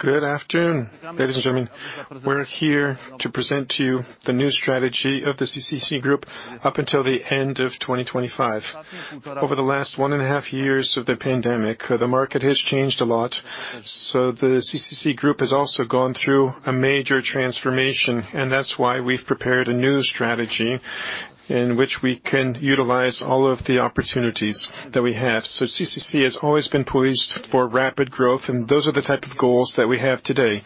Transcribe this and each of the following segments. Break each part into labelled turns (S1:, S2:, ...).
S1: Good afternoon, ladies and gentlemen. We're here to present to you the new strategy of the CCC Group up until the end of 2025. Over the last one and a half years of the pandemic, the market has changed a lot, so the CCC Group has also gone through a major transformation, and that's why we've prepared a new strategy in which we can utilize all of the opportunities that we have. CCC has always been poised for rapid growth, and those are the type of goals that we have today.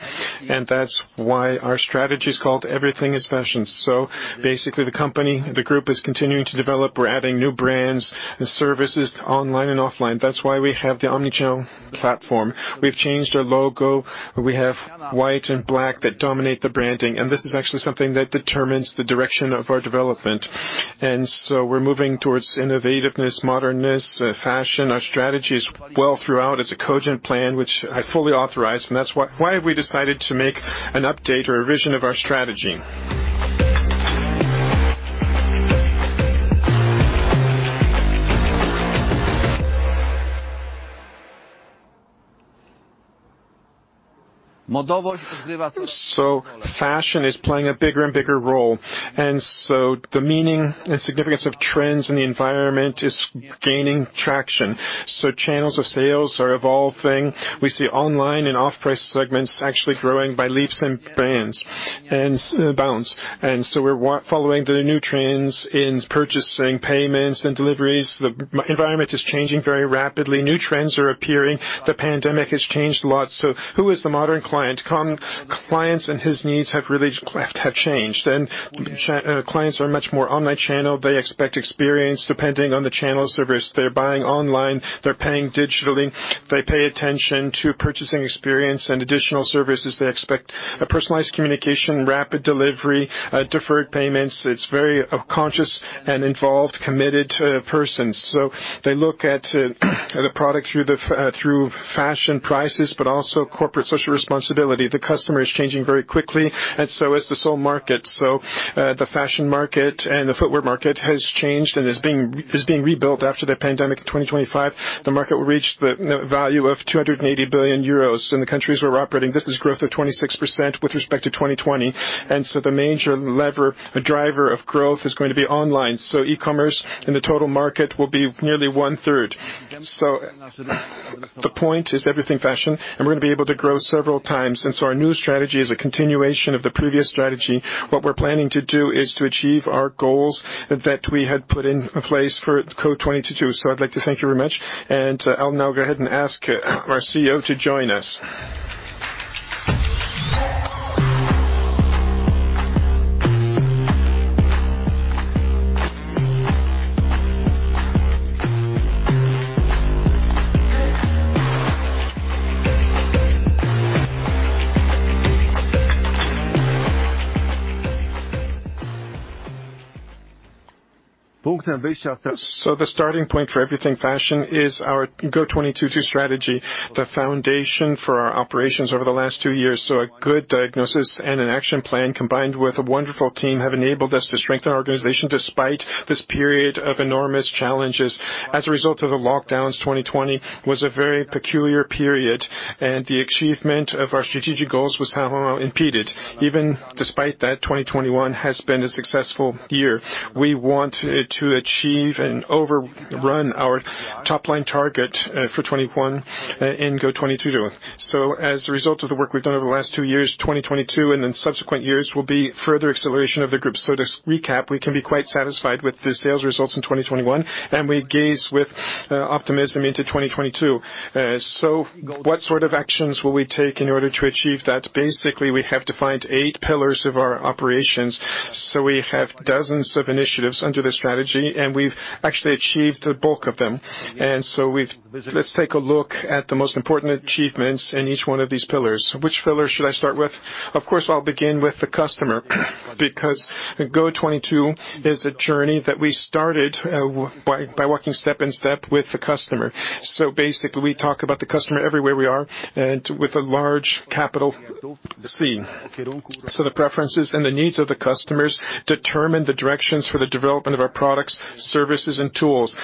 S1: That's why our strategy is called Everything Fashion. Basically, the company, the group is continuing to develop. We're adding new brands and services online and offline. That's why we have the omnichannel platform. We've changed our logo. We have white and black that dominate the branding. This is actually something that determines the direction of our development. We're moving towards innovativeness, modernness, fashion. Our strategy is well thought out. It's a cogent plan, which I fully authorize, and that's why we decided to make an update or a vision of our strategy. Fashion is playing a bigger and bigger role. The meaning and significance of trends in the environment is gaining traction. Channels of sales are evolving. We see online and off-price segments actually growing by leaps and bounds. We're following the new trends in purchasing, payments and deliveries. The environment is changing very rapidly. New trends are appearing. The pandemic has changed a lot. Who is the modern client? Clients and his needs have really changed. Clients are much more online channel. They expect experience depending on the channel service. They're buying online, they're paying digitally. They pay attention to purchasing experience and additional services. They expect a personalized communication, rapid delivery, deferred payments. It's very conscious and involved, committed to persons. They look at the product through fashion prices, but also corporate social responsibility. The customer is changing very quickly and so is the whole market. The fashion market and the footwear market has changed and is being rebuilt after the pandemic in 2025. The market will reach the value of 280 billion euros in the countries where we're operating. This is growth of 26% with respect to 2020. The major lever, the driver of growth is going to be online. E-commerce in the total market will be nearly 1/3. The point is Everything Fashion, and we're gonna be able to grow several times. Our new strategy is a continuation of the previous strategy. What we're planning to do is to achieve our goals that we had put in place for GO.22 too. I'd like to thank you very much. I'll now go ahead and ask our CEO to join us.
S2: The starting point for Everything Fashion is our GO.22 strategy, the foundation for our operations over the last two years. A good diagnosis and an action plan, combined with a wonderful team, have enabled us to strengthen our organization despite this period of enormous challenges. As a result of the lockdowns, 2020 was a very peculiar period, and the achievement of our strategic goals was somehow impeded. Even despite that, 2021 has been a successful year. We want to achieve and overrun our top-line target for 2021 in GO.22. As a result of the work we've done over the last two years, 2022 and then subsequent years will be further acceleration of the group. To recap, we can be quite satisfied with the sales results in 2021, and we gaze with optimism into 2022. What sort of actions will we take in order to achieve that? Basically, we have defined eight pillars of our operations. We have dozens of initiatives under the strategy, and we've actually achieved the bulk of them. Let's take a look at the most important achievements in each one of these pillars. Which pillar should I start with? Of course, I'll begin with the customer, because GO.22 is a journey that we started by walking step by step with the customer. Basically we talk about the customer everywhere we are and with a large capital C. The preferences and the needs of the customers determine the directions for the development of our products, services and tools.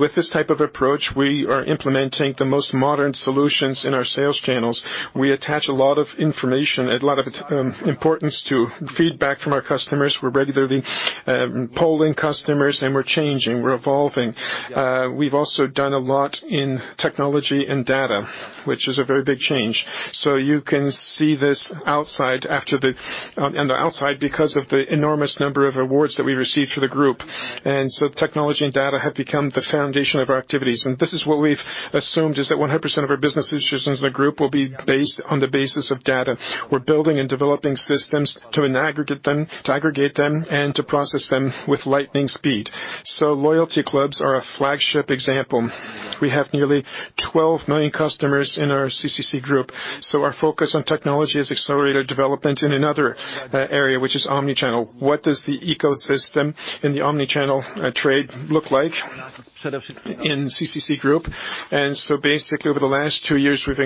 S2: With this type of approach, we are implementing the most modern solutions in our sales channels. We attach a lot of information and a lot of importance to feedback from our customers. We're regularly polling customers and we're changing, we're evolving. We've also done a lot in technology and data, which is a very big change. You can see this outside on the outside because of the enormous number of awards that we received for the group. Technology and data have become the foundation of our activities. This is what we've assumed, is that 100% of our business decisions in the group will be based on the basis of data. We're building and developing systems to aggregate them and to process them with lightning speed. Loyalty clubs are a flagship example. We have nearly 12 million customers in our CCC Group. Our focus on technology has accelerated development in another area which is omnichannel. What does the ecosystem in the omnichannel trade look like in CCC Group? Basically, over the last two years, we've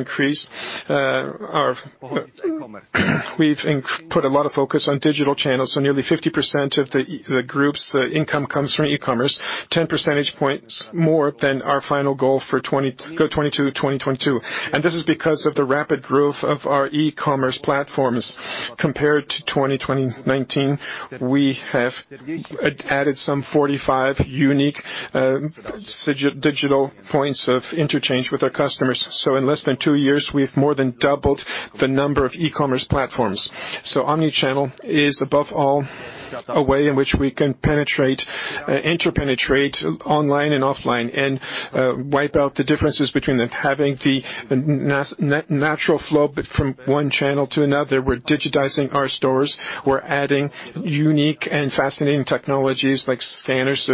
S2: put a lot of focus on digital channels. Nearly 50% of the group's income comes from e-commerce, 10 percentage points more than our final goal for GO.22 2022. This is because of the rapid growth of our e-commerce platforms. Compared to 2019, we have added some 45 unique digital points of interaction with our customers. In less than two years, we've more than doubled the number of e-commerce platforms. Omnichannel is above all a way in which we can integrate online and offline and wipe out the differences between them, having the natural flow from one channel to another. We're digitizing our stores. We're adding unique and fascinating technologies like foot scanners,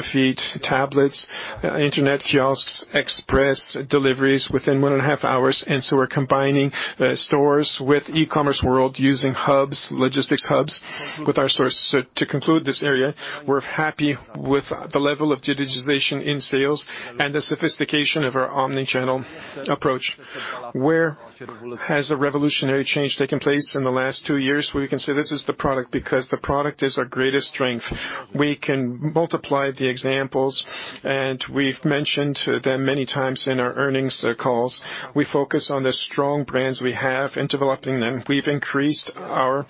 S2: tablets, internet kiosks, express deliveries within 1.5 hours. We're combining stores with e-commerce using hubs, logistics hubs with our stores. To conclude this area, we're happy with the level of digitization in sales and the sophistication of our omni-channel approach. Where has a revolutionary change taken place in the last two years? We can say this is the product because the product is our greatest strength. We can multiply the examples, and we've mentioned them many times in our earnings calls. We focus on the strong brands we have and developing them. We've increased our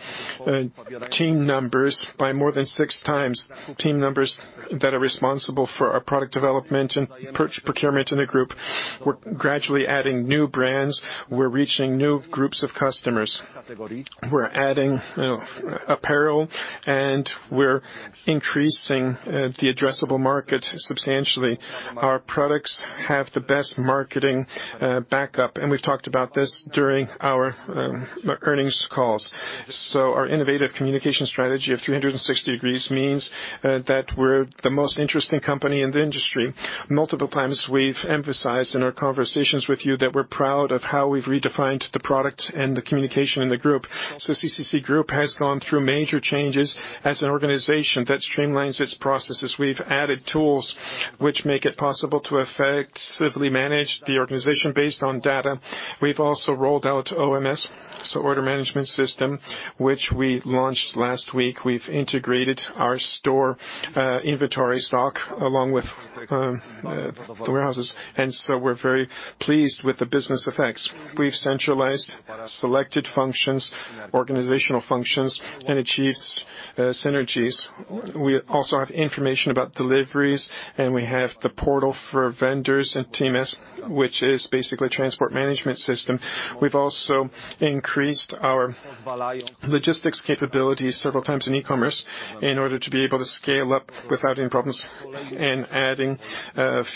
S2: team numbers by more than six times, team numbers that are responsible for our product development and procurement in the group. We're gradually adding new brands, we're reaching new groups of customers. We're adding apparel, and we're increasing the addressable market substantially. Our products have the best marketing backup, and we've talked about this during our earnings calls. Our innovative communication strategy of 360 degrees means that we're the most interesting company in the industry. Multiple times we've emphasized in our conversations with you that we're proud of how we've redefined the product and the communication in the group. CCC Group has gone through major changes as an organization that streamlines its processes. We've added tools which make it possible to effectively manage the organization based on data. We've also rolled out OMS, so Order Management System, which we launched last week. We've integrated our store inventory stock along with the warehouses, and we're very pleased with the business effects. We've centralized selected functions, organizational functions, and achieved synergies. We also have information about deliveries, and we have the portal for vendors and TMS, which is basically a Transport Management System. We've also increased our logistics capabilities several times in e-commerce in order to be able to scale up without any problems and adding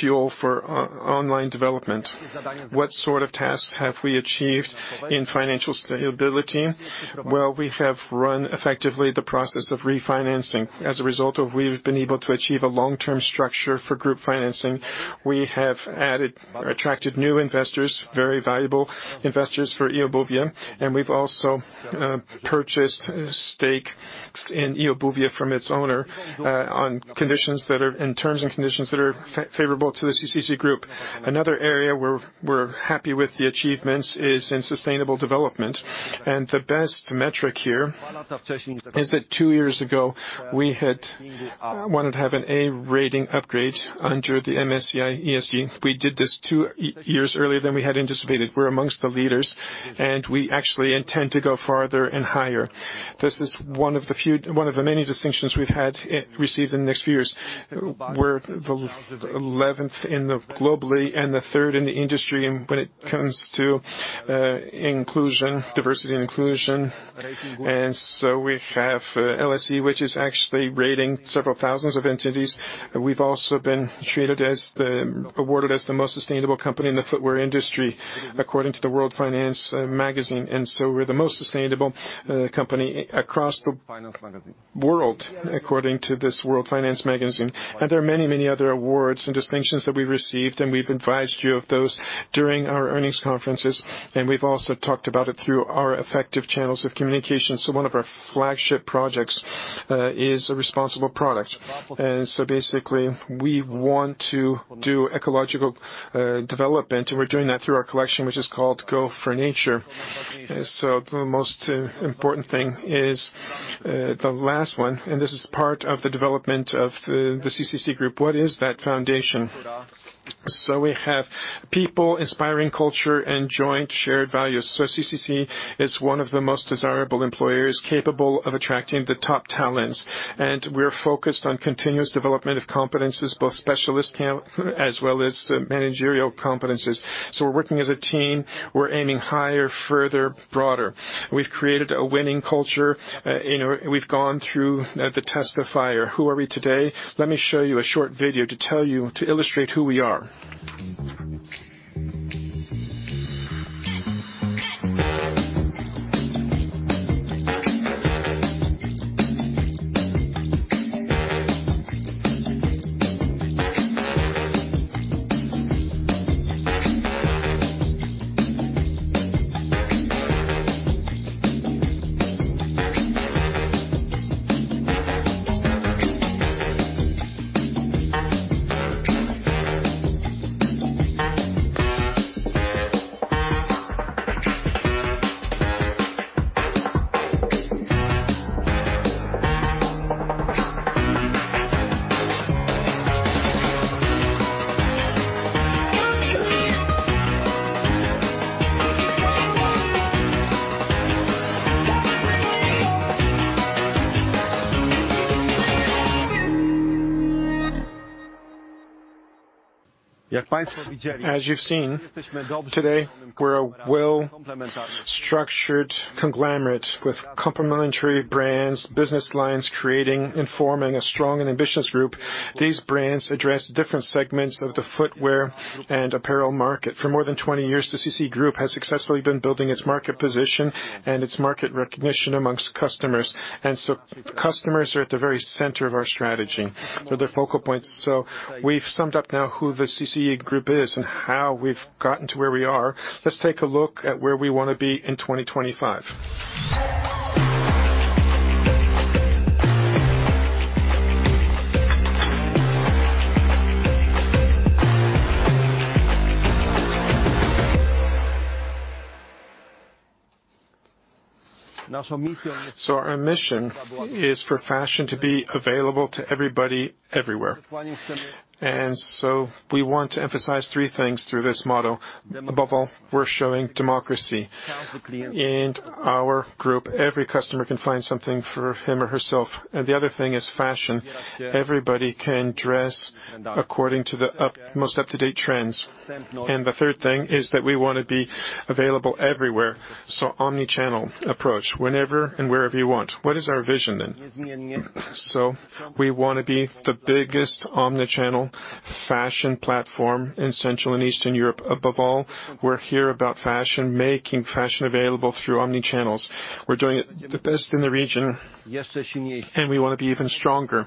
S2: fuel for online development. What sort of tasks have we achieved in financial stability? Well, we have run effectively the process of refinancing. As a result, we've been able to achieve a long-term structure for group financing. We have added or attracted new investors, very valuable investors for eobuwie, and we've also purchased stakes in eobuwie from its owner on terms and conditions that are favorable to the CCC Group. Another area where we're happy with the achievements is in sustainable development. The best metric here is that two years ago, we had wanted to have an A rating upgrade under the MSCI ESG. We did this two years earlier than we had anticipated. We're among the leaders, and we actually intend to go farther and higher. This is one of the many distinctions we've had received in the next few years. We're the eleventh globally and the third in the industry when it comes to inclusion, diversity and inclusion. We have LSEG, which is actually rating several thousands of entities. We've also been awarded as the most sustainable company in the footwear industry, according to the World Finance Magazine. We're the most sustainable company across the world, according to this World Finance Magazine. There are many, many other awards and distinctions that we've received, and we've advised you of those during our earnings conferences, and we've also talked about it through our effective channels of communication. One of our flagship projects is a responsible product. Basically we want to do ecological development, and we're doing that through our collection, which is called Go for Nature. The most important thing is the last one, and this is part of the development of the CCC Group. What is that foundation? We have people, inspiring culture and joint shared values. CCC is one of the most desirable employers capable of attracting the top talents. We're focused on continuous development of competencies, both specialist competencies, as well as managerial competencies. We're working as a team. We're aiming higher, further, broader. We've created a winning culture. You know, we've gone through the test of fire. Who are we today? Let me show you a short video to tell you, to illustrate who we are. As you've seen, today, we're a well-structured conglomerate with complementary brands, business lines, creating and forming a strong and ambitious group. These brands address different segments of the footwear and apparel market. For more than 20-years, CCC Group has successfully been building its market position and its market recognition among customers. Customers are at the very center of our strategy. They're the focal points. We've summed up now who the CCC Group is and how we've gotten to where we are. Let's take a look at where we wanna be in 2025. Our mission is for fashion to be available to everybody everywhere. We want to emphasize three things through this model. Above all, we're showing democracy. In our group, every customer can find something for him or herself. The other thing is fashion. Everybody can dress according to the utmost up-to-date trends. The third thing is that we wanna be available everywhere. Omnichannel approach, whenever and wherever you want. What is our vision then? We wanna be the biggest omnichannel fashion platform in Central and Eastern Europe. Above all, we're all about fashion, making fashion available through omnichannels. We're doing it the best in the region, and we wanna be even stronger.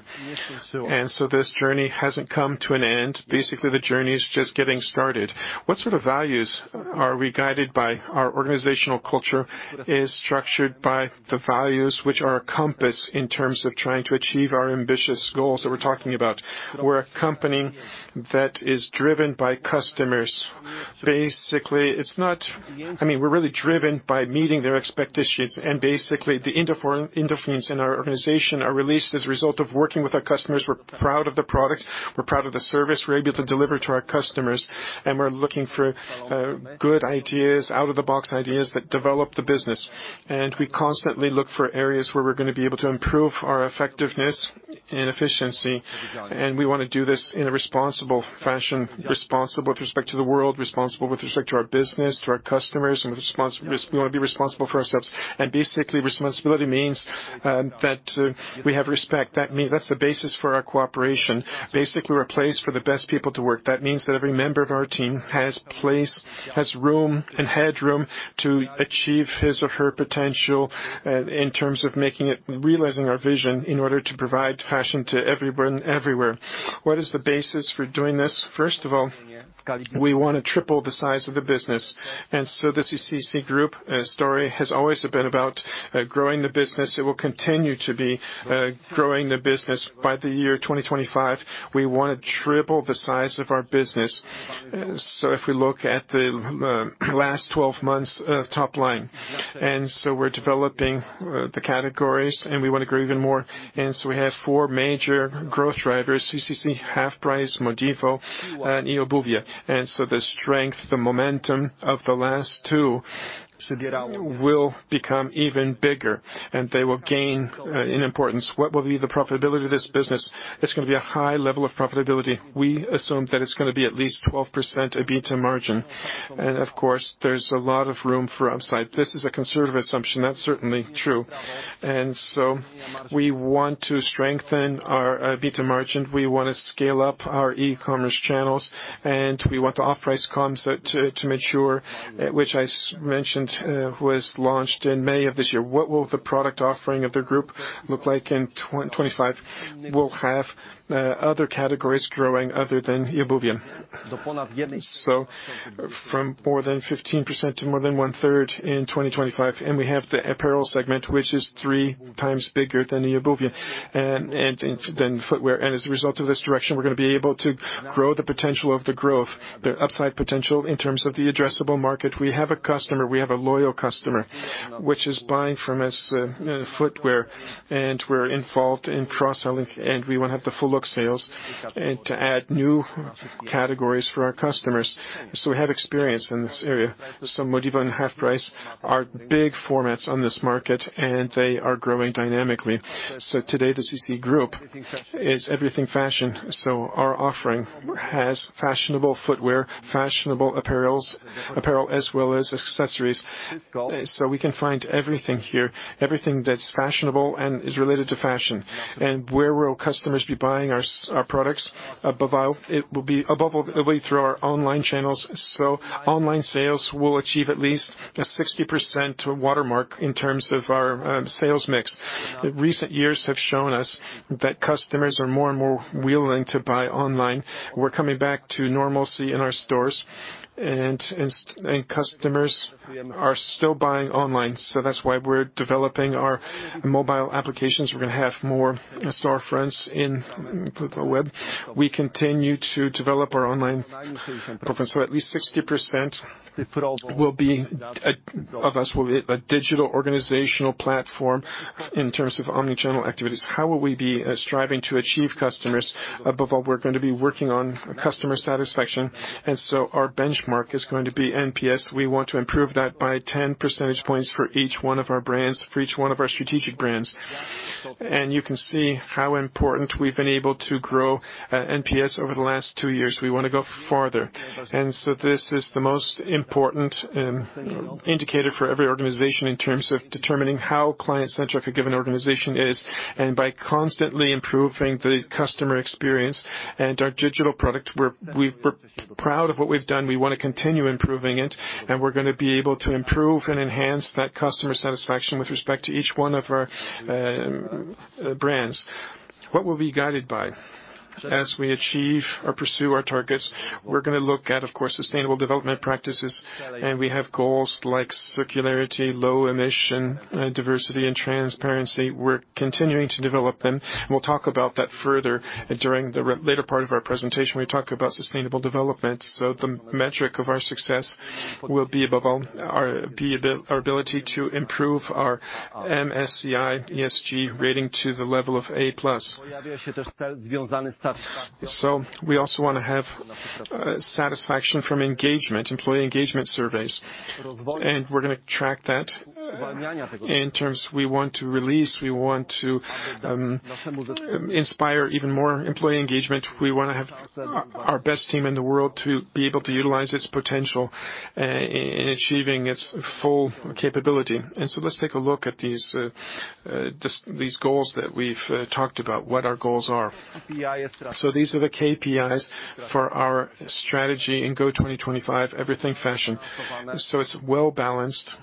S2: This journey hasn't come to an end. Basically, the journey is just getting started. What sort of values are we guided by? Our organizational culture is structured by the values which are a compass in terms of trying to achieve our ambitious goals that we're talking about. We're a company that is driven by customers. Basically, I mean, we're really driven by meeting their expectations. Basically, the individual in our organization are released as a result of working with our customers. We're proud of the product, we're proud of the service we're able to deliver to our customers, and we're looking for good ideas, out-of-the-box ideas that develop the business. We constantly look for areas where we're gonna be able to improve our effectiveness and efficiency. We wanna do this in a responsible fashion, responsible with respect to the world, responsible with respect to our business, to our customers, and we wanna be responsible for ourselves. Basically, responsibility means that we have respect. That means that's the basis for our cooperation. Basically, we're a place for the best people to work. That means that every member of our team has place, has room, and headroom to achieve his or her potential in terms of making it, realizing our vision in order to provide fashion to everyone, everywhere. What is the basis for doing this? First of all, we wanna triple the size of the business. The CCC Group story has always been about growing the business. It will continue to be growing the business. By the year 2025, we wanna triple the size of our business. If we look at the last 12-months top line, we're developing the categories, and we wanna grow even more. We have four major growth drivers, CCC, HalfPrice, MODIVO, and eobuwie. The strength, the momentum of the last two will become even bigger, and they will gain in importance. What will be the profitability of this business? It's gonna be a high level of profitability. We assume that it's gonna be at least 12% EBITDA margin. Of course, there's a lot of room for upside. This is a conservative assumption. That's certainly true. We want to strengthen our EBITDA margin. We wanna scale up our e-commerce channels, and we want the off-price concept to mature, which I mentioned was launched in May of this year. What will the product offering of the group look like in 2025? We'll have other categories growing other than eobuwie. From more than 15% to more than 1/3 in 2025, we have the apparel segment, which is three times bigger than eobuwie and than footwear. As a result of this direction, we're gonna be able to grow the potential of the growth, the upside potential in terms of the addressable market. We have a customer, we have a loyal customer, which is buying from us, footwear, and we're involved in cross-selling, and we wanna have the full look sales and to add new categories for our customers. We have experience in this area. MODIVO and HalfPrice are big formats on this market, and they are growing dynamically. Today, the CCC Group is Everything fashion. Our offering has fashionable footwear, fashionable apparel, as well as accessories. We can find everything here, everything that's fashionable and is related to fashion. Where will customers be buying our products? Above all, it'll be through our online channels. Online sales will achieve at least a 60% watermark in terms of our sales mix. Recent years have shown us that customers are more and more willing to buy online. We're coming back to normalcy in our stores and customers are still buying online. That's why we're developing our mobile applications. We're gonna have more storefronts with the web. We continue to develop our online presence. At least 60% will be of us will be a digital organizational platform in terms of omnichannel activities. How will we be striving to achieve customers? Above all, we're gonna be working on customer satisfaction. Our benchmark is going to be NPS. We want to improve that by 10 percentage points for each one of our brands, for each one of our strategic brands. You can see how important we've been able to grow NPS over the last two years. We wanna go farther. This is the most important indicator for every organization in terms of determining how client-centric a given organization is, and by constantly improving the customer experience and our digital product. We're proud of what we've done. We wanna continue improving it, and we're gonna be able to improve and enhance that customer satisfaction with respect to each one of our brands. What we'll be guided by? As we achieve or pursue our targets, we're gonna look at, of course, sustainable development practices, and we have goals like circularity, low emission, diversity and transparency. We're continuing to develop them. We'll talk about that further during the later part of our presentation. We talk about sustainable development. The metric of our success will be above all, our ability to improve our MSCI ESG rating to the level of A+. We also wanna have satisfaction from engagement, employee engagement surveys. We're gonna track that in terms we want to inspire even more employee engagement. We wanna have our best team in the world to be able to utilize its potential and achieving its full capability. Let's take a look at these goals that we've talked about, what our goals are. These are the KPIs for our strategy in GO25, Everything Fashion. It's well-balanced,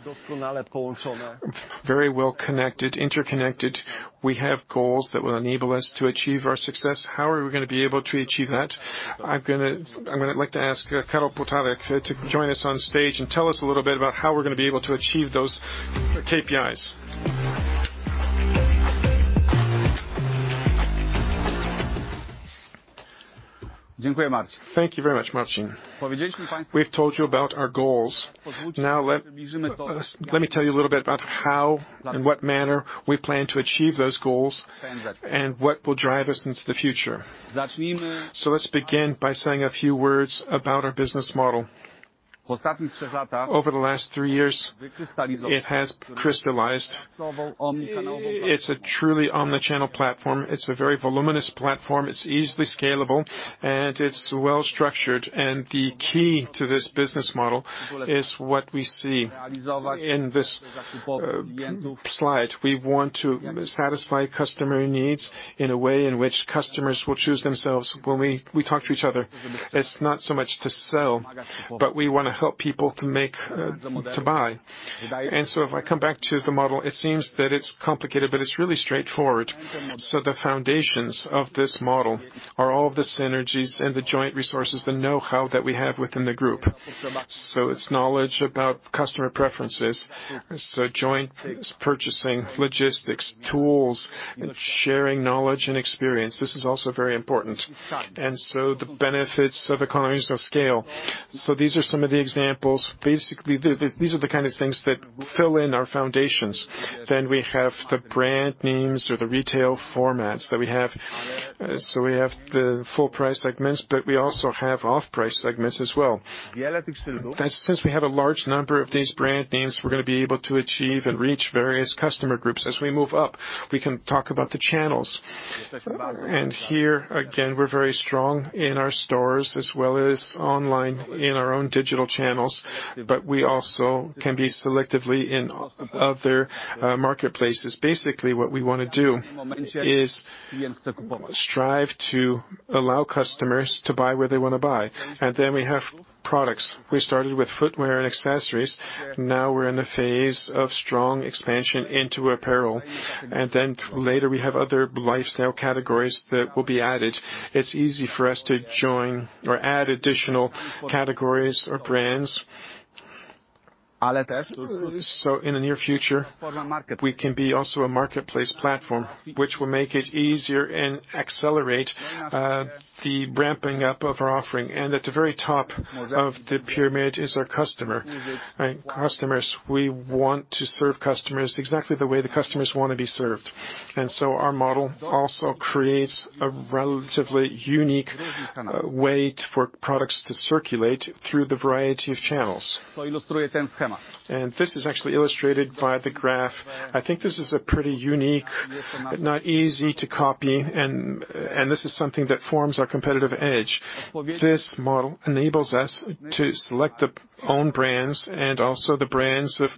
S2: very well-connected, interconnected. We have goals that will enable us to achieve our success. How are we gonna be able to achieve that? I'm gonna like to ask Karol Półtorak to join us on stage and tell us a little bit about how we're gonna be able to achieve those KPIs.
S3: Thank you very much, Marcin Czyczerski. We've told you about our goals. Now let me tell you a little bit about how, in what manner we plan to achieve those goals and what will drive us into the future. Let's begin by saying a few words about our business model. Over the last three years, it has crystallized. It's a truly omni-channel platform. It's a very voluminous platform. It's easily scalable, and it's well-structured. The key to this business model is what we see in this slide. We want to satisfy customer needs in a way in which customers will choose themselves. When we talk to each other, it's not so much to sell, but we wanna help people to make to buy. If I come back to the model, it seems that it's complicated, but it's really straightforward. The foundations of this model are all of the synergies and the joint resources, the know-how that we have within the group. It's knowledge about customer preferences. Joint purchasing, logistics, tools, and sharing knowledge and experience. This is also very important. The benefits of economies of scale. These are some of the examples. Basically, these are the kind of things that fill in our foundations. We have the brand names or the retail formats that we have. We have the full price segments, but we also have off-price segments as well. Since we have a large number of these brand names, we're gonna be able to achieve and reach various customer groups. As we move up, we can talk about the channels. Here, again, we're very strong in our stores as well as online in our own digital channels, but we also can be selectively in other marketplaces. Basically, what we wanna do is strive to allow customers to buy where they wanna buy. We have products. We started with footwear and accessories. Now we're in a phase of strong expansion into apparel. Later, we have other lifestyle categories that will be added. It's easy for us to join or add additional categories or brands. In the near future, we can be also a marketplace platform, which will make it easier and accelerate the ramping up of our offering. At the very top of the pyramid is our customer, right? Customers, we want to serve customers exactly the way the customers wanna be served. Our model also creates a relatively unique way for products to circulate through the variety of channels. This is actually illustrated by the graph. I think this is a pretty unique, but not easy to copy and this is something that forms our competitive edge. This model enables us to select the own brands and also the brands of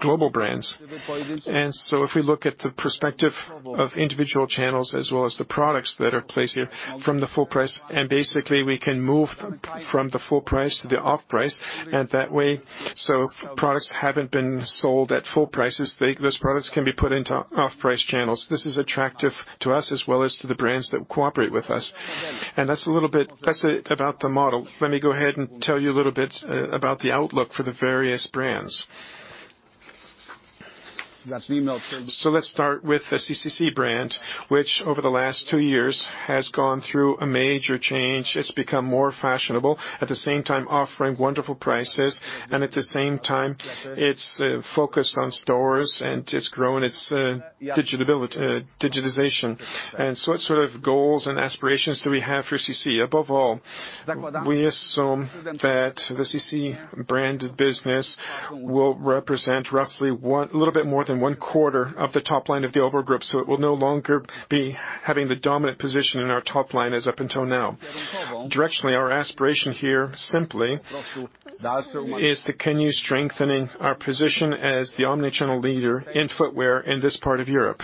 S3: global brands. If we look at the perspective of individual channels as well as the products that are placed here from the full price, and basically, we can move them from the full price to the off price. That way, if products haven't been sold at full prices, they, those products can be put into off-price channels. This is attractive to us as well as to the brands that cooperate with us. That's a little bit, that's it about the model. Let me go ahead and tell you a little bit about the outlook for the various brands. Let's start with the CCC brand, which over the last two years has gone through a major change. It's become more fashionable, at the same time offering wonderful prices, and at the same time, it's focused on stores, and it's grown its digitization. What sort of goals and aspirations do we have for CCC? Above all, we assume that the CCC brand business will represent roughly one little bit more than one quarter of the top line of the overall group. It will no longer be having the dominant position in our top line as up until now. Directionally, our aspiration here simply is the continued strengthening our position as the omni-channel leader in footwear in this part of Europe.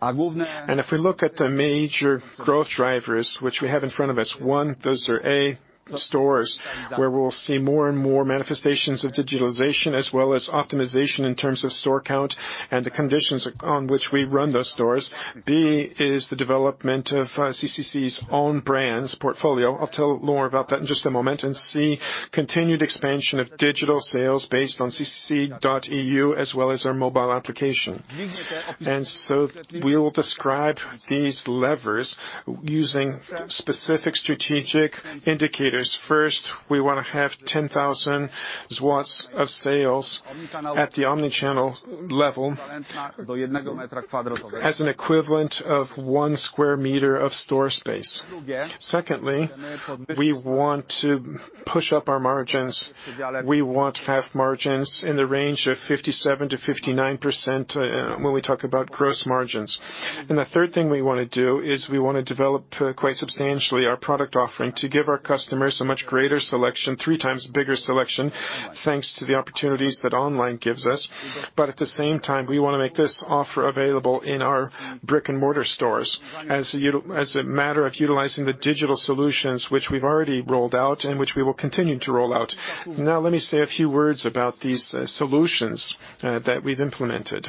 S3: If we look at the major growth drivers which we have in front of us, A, stores where we'll see more and more manifestations of digitalization as well as optimization in terms of store count and the conditions on which we run those stores. B is the development of CCC's own brands portfolio. I'll tell more about that in just a moment. C, continued expansion of digital sales based on ccc.eu, as well as our mobile application. We will describe these levers using specific strategic indicators. First, we wanna have 10,000 PLN of sales at the omni-channel level as an equivalent of 1 sq m of store space. Secondly, we want to push up our margins. We want to have margins in the range of 57%-59% when we talk about gross margins. The third thing we wanna do is we wanna develop quite substantially our product offering to give our customers a much greater selection, three times bigger selection, thanks to the opportunities that online gives us. At the same time, we wanna make this offer available in our brick-and-mortar stores as a matter of utilizing the digital solutions which we've already rolled out and which we will continue to roll out. Now let me say a few words about these, solutions, that we've implemented.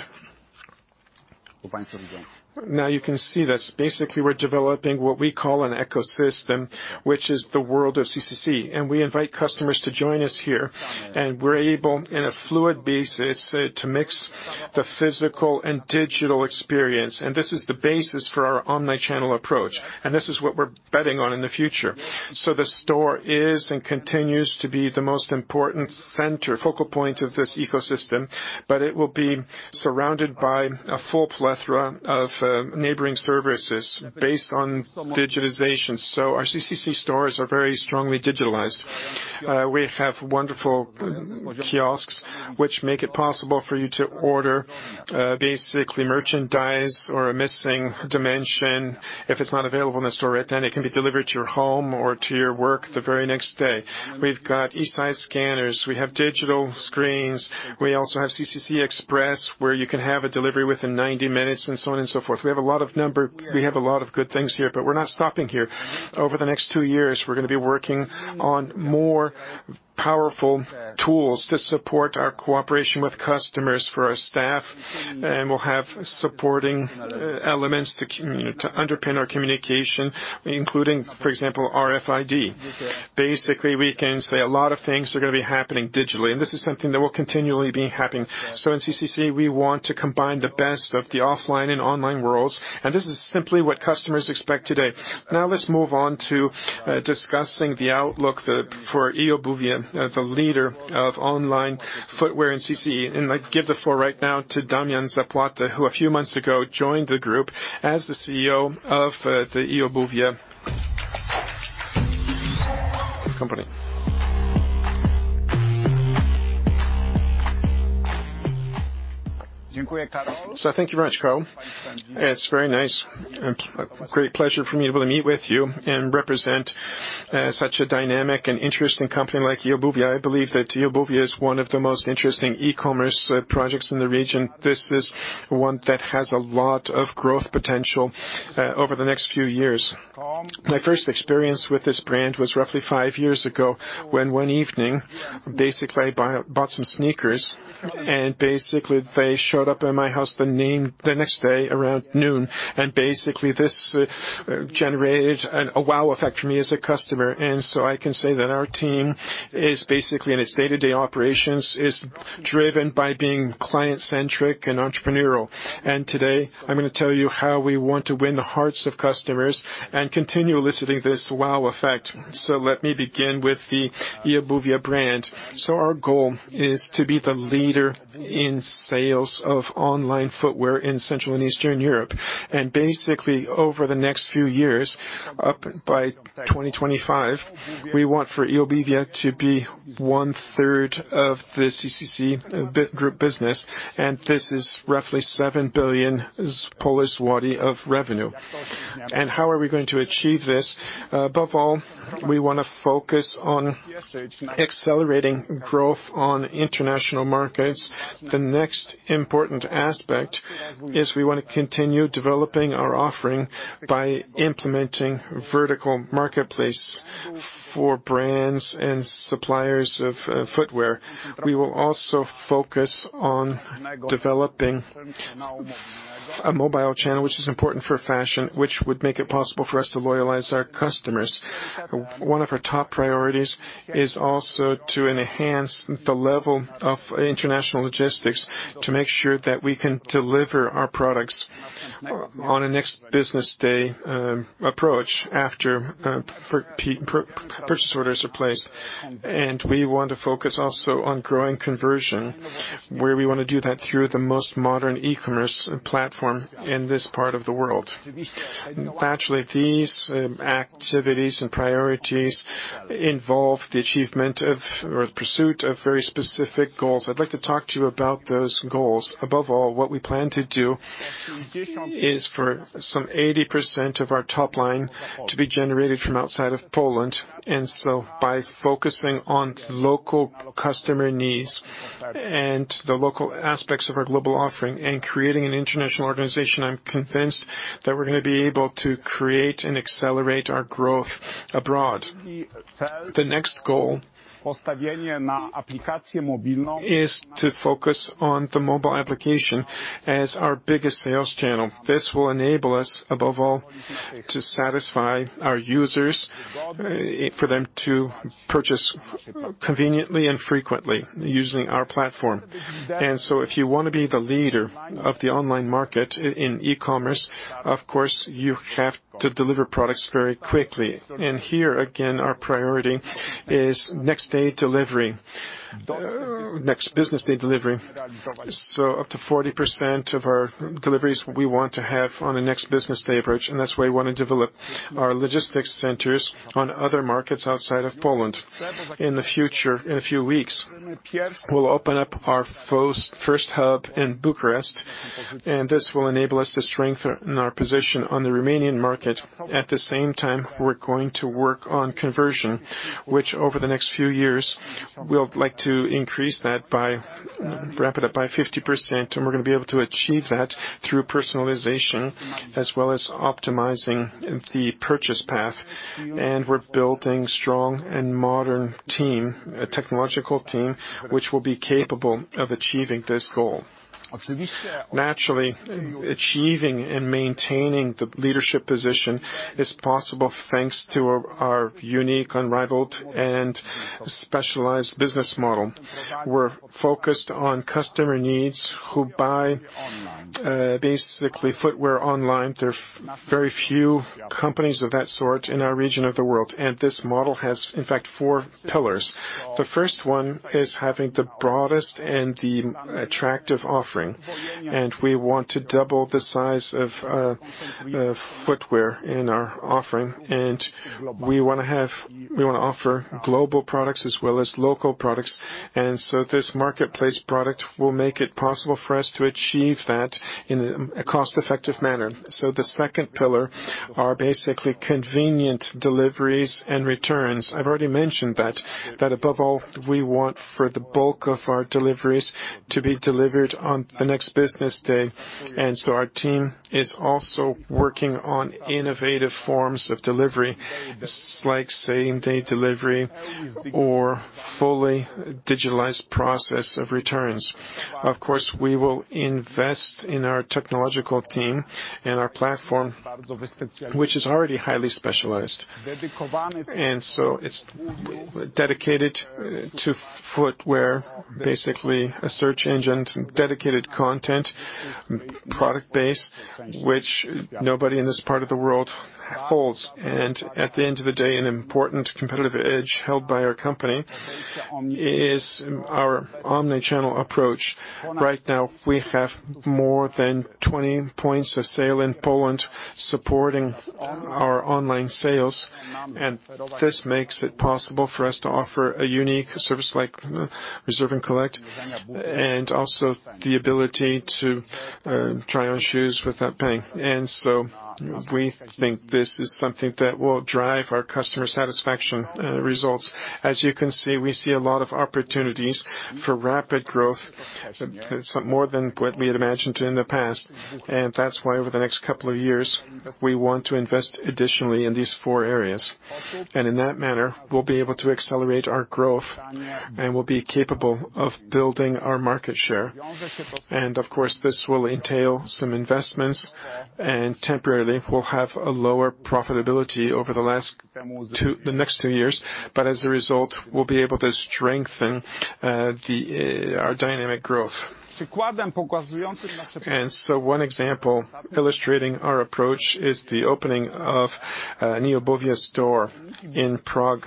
S3: Now you can see this. Basically, we're developing what we call an ecosystem, which is the world of CCC, and we invite customers to join us here. We're able, in a fluid basis, to mix the physical and digital experience, and this is the basis for our omni-channel approach. This is what we're betting on in the future. The store is and continues to be the most important center, focal point of this ecosystem, but it will be surrounded by a full plethora of, neighboring services based on digitization. Our CCC stores are very strongly digitized. We have wonderful kiosks which make it possible for you to order basically merchandise or a missing dimension. If it's not available in the store right then, it can be delivered to your home or to your work the very next day. We've got esize scanners. We have digital screens. We also have CCC Express, where you can have a delivery within 90-minutes and so on and so forth. We have a lot of good things here, but we're not stopping here. Over the next two years, we're gonna be working on more powerful tools to support our cooperation with customers for our staff, and we'll have supporting elements to underpin our communication, including, for example, RFID. Basically, we can say a lot of things are gonna be happening digitally, and this is something that will continually be happening. In CCC, we want to combine the best of the offline and online worlds, and this is simply what customers expect today. Now let's move on to discussing the outlook for eobuwie, the leader of online footwear in CCC. I give the floor right now to Damian Zapłata, who a few months ago joined the group as the CEO of the eobuwie company.
S4: Thank you very much, Karol. It's very nice and a great pleasure for me to be able to meet with you and represent such a dynamic and interesting company like eobuwie. I believe that eobuwie is one of the most interesting e-commerce projects in the region. This is one that has a lot of growth potential over the next few years. My first experience with this brand was roughly five years ago when one evening I bought some sneakers and they showed up at my house the next day around noon. This generated a wow effect for me as a customer. I can say that our team in its day-to-day operations is driven by being client-centric and entrepreneurial. Today I'm gonna tell you how we want to win the hearts of customers and continue eliciting this wow effect. Let me begin with the eobuwie brand. Our goal is to be the leader in sales of online footwear in Central and Eastern Europe. Basically, over the next few years, up by 2025, we want for eobuwie to be one-third of the CCC Group business, and this is roughly 7 billion of revenue. How are we going to achieve this? Above all, we wanna focus on accelerating growth on international markets. The next important aspect is we wanna continue developing our offering by implementing vertical marketplace for brands and suppliers of footwear. We will also focus on developing a mobile channel, which is important for fashion, which would make it possible for us to loyalize our customers. One of our top priorities is also to enhance the level of international logistics to make sure that we can deliver our products on a next business day approach after purchase orders are placed. We want to focus also on growing conversion, where we wanna do that through the most modern e-commerce platform in this part of the world. Naturally, these activities and priorities involve the achievement of or pursuit of very specific goals. I'd like to talk to you about those goals. Above all, what we plan to do is for some 80% of our top line to be generated from outside of Poland. By focusing on local customer needs and the local aspects of our global offering and creating an international organization, I'm convinced that we're gonna be able to create and accelerate our growth abroad. The next goal is to focus on the mobile application as our biggest sales channel. This will enable us, above all, to satisfy our users for them to purchase conveniently and frequently using our platform. If you wanna be the leader of the online market in e-commerce, of course, you have to deliver products very quickly. Here again, our priority is next day delivery, next business day delivery. Up to 40% of our deliveries we want to have on a next business day approach, and that's why we wanna develop our logistics centers on other markets outside of Poland. In the future, in a few weeks, we'll open up our first hub in Bucharest, and this will enable us to strengthen our position on the Romanian market. At the same time, we're going to work on conversion, which over the next few years, we'd like to increase that by, ramp it up by 50%, and we're gonna be able to achieve that through personalization as well as optimizing the purchase path. We're building strong and modern team, a technological team, which will be capable of achieving this goal. Naturally, achieving and maintaining the leadership position is possible, thanks to our unique, unrivaled, and specialized business model. We're focused on customer needs who buy basically footwear online. There are very few companies of that sort in our region of the world, and this model has, in fact, four pillars. The first one is having the broadest and the attractive offering. We want to double the size of footwear in our offering, and we wanna offer global products as well as local products. This marketplace product will make it possible for us to achieve that in a cost-effective manner. The second pillar are basically convenient deliveries and returns. I've already mentioned that above all, we want for the bulk of our deliveries to be delivered on the next business day. Our team is also working on innovative forms of delivery, like same-day delivery or fully digitalized process of returns. Of course, we will invest in our technological team and our platform, which is already highly specialized. It's dedicated to footwear, basically a search engine, dedicated content, product base, which nobody in this part of the world holds. At the end of the day, an important competitive edge held by our company is our omnichannel approach. Right now, we have more than 20 points of sale in Poland supporting our online sales, and this makes it possible for us to offer a unique service like reserve and collect, and also the ability to try on shoes without paying. We think this is something that will drive our customer satisfaction results. As you can see, we see a lot of opportunities for rapid growth, some more than what we had imagined in the past. That's why over the next couple of years, we want to invest additionally in these four areas. In that manner, we'll be able to accelerate our growth, and we'll be capable of building our market share. Of course, this will entail some investments, and temporarily, we'll have a lower profitability over the next two years. As a result, we'll be able to strengthen our dynamic growth. One example illustrating our approach is the opening of a eobuwie store in Prague,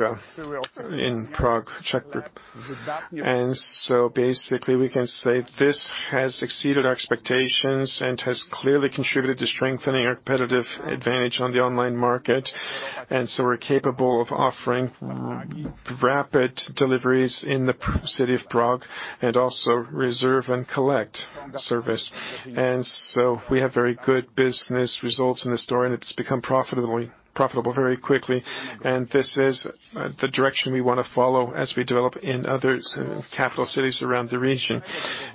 S4: Czech Republic. Basically, we can say this has exceeded our expectations and has clearly contributed to strengthening our competitive advantage on the online market. We're capable of offering rapid deliveries in the city of Prague and also reserve and collect service. We have very good business results in the store, and it's become profitable very quickly. This is the direction we wanna follow as we develop in other capital cities around the region.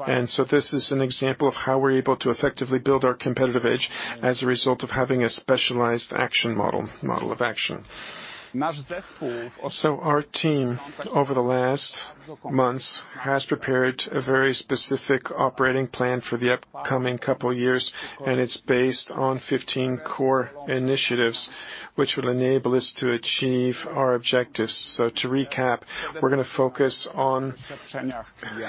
S4: This is an example of how we're able to effectively build our competitive edge as a result of having a specialized model of action. Our team, over the last months, has prepared a very specific operating plan for the upcoming couple of years, and it's based on 15 core initiatives, which will enable us to achieve our objectives. To recap, we're gonna focus on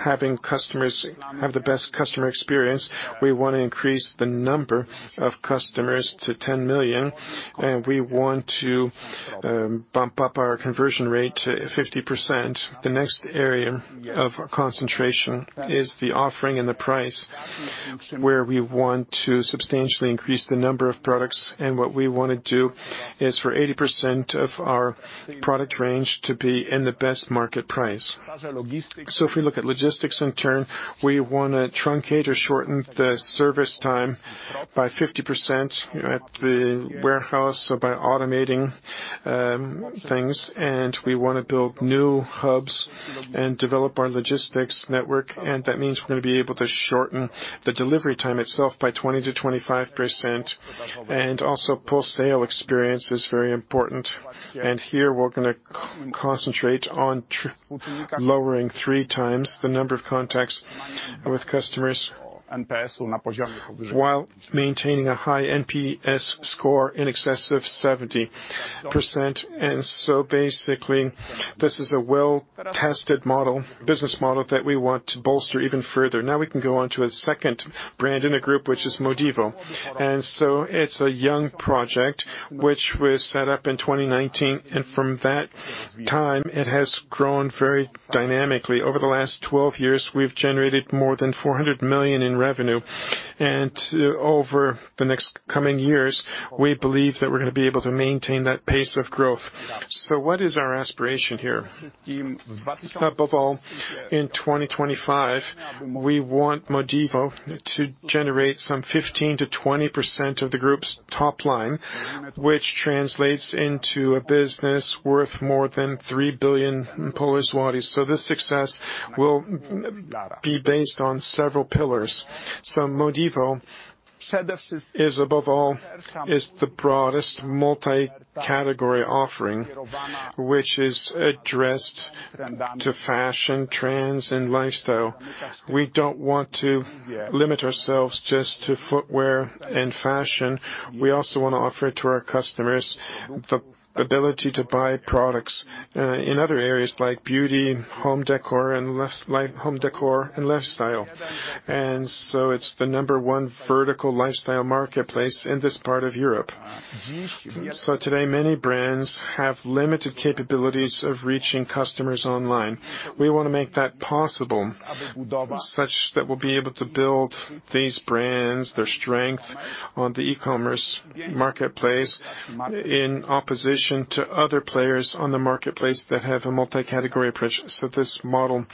S4: having customers have the best customer experience. We wanna increase the number of customers to 10 million, and we want to bump up our conversion rate to 50%. The next area of concentration is the offering and the price, where we want to substantially increase the number of products. What we wanna do is for 80% of our product range to be in the best market price. If we look at logistics in turn, we wanna truncate or shorten the service time by 50% at the warehouse by automating things. We wanna build new hubs and develop our logistics network, and that means we're gonna be able to shorten the delivery time itself by 20%-25%. Post-sale experience is very important. Here we're gonna concentrate on lowering three times the number of contacts with customers while maintaining a high NPS score in excess of 70%. Basically, this is a well-tested model, business model that we want to bolster even further. Now we can go on to a second brand in a group, which is MODIVO. It's a young project which was set up in 2019, and from that time it has grown very dynamically. Over the last 12-years, we've generated more than 400 million in revenue. Over the next coming years, we believe that we're gonna be able to maintain that pace of growth. What is our aspiration here? Above all, in 2025, we want MODIVO to generate some 15%-20% of the group's top line, which translates into a business worth more than 3 billion. This success will be based on several pillars. MODIVO is above all the broadest multi-category offering, which is addressed to fashion trends and lifestyle. We don't want to limit ourselves just to footwear and fashion. We also wanna offer to our customers the ability to buy products in other areas like beauty, home decor, and lifestyle. It's the number one vertical lifestyle marketplace in this part of Europe. Today, many brands have limited capabilities of reaching customers online. We wanna make that possible, such that we'll be able to build these brands, their strength on the e-commerce marketplace, in opposition to other players on the marketplace that have a multi-category approach. This model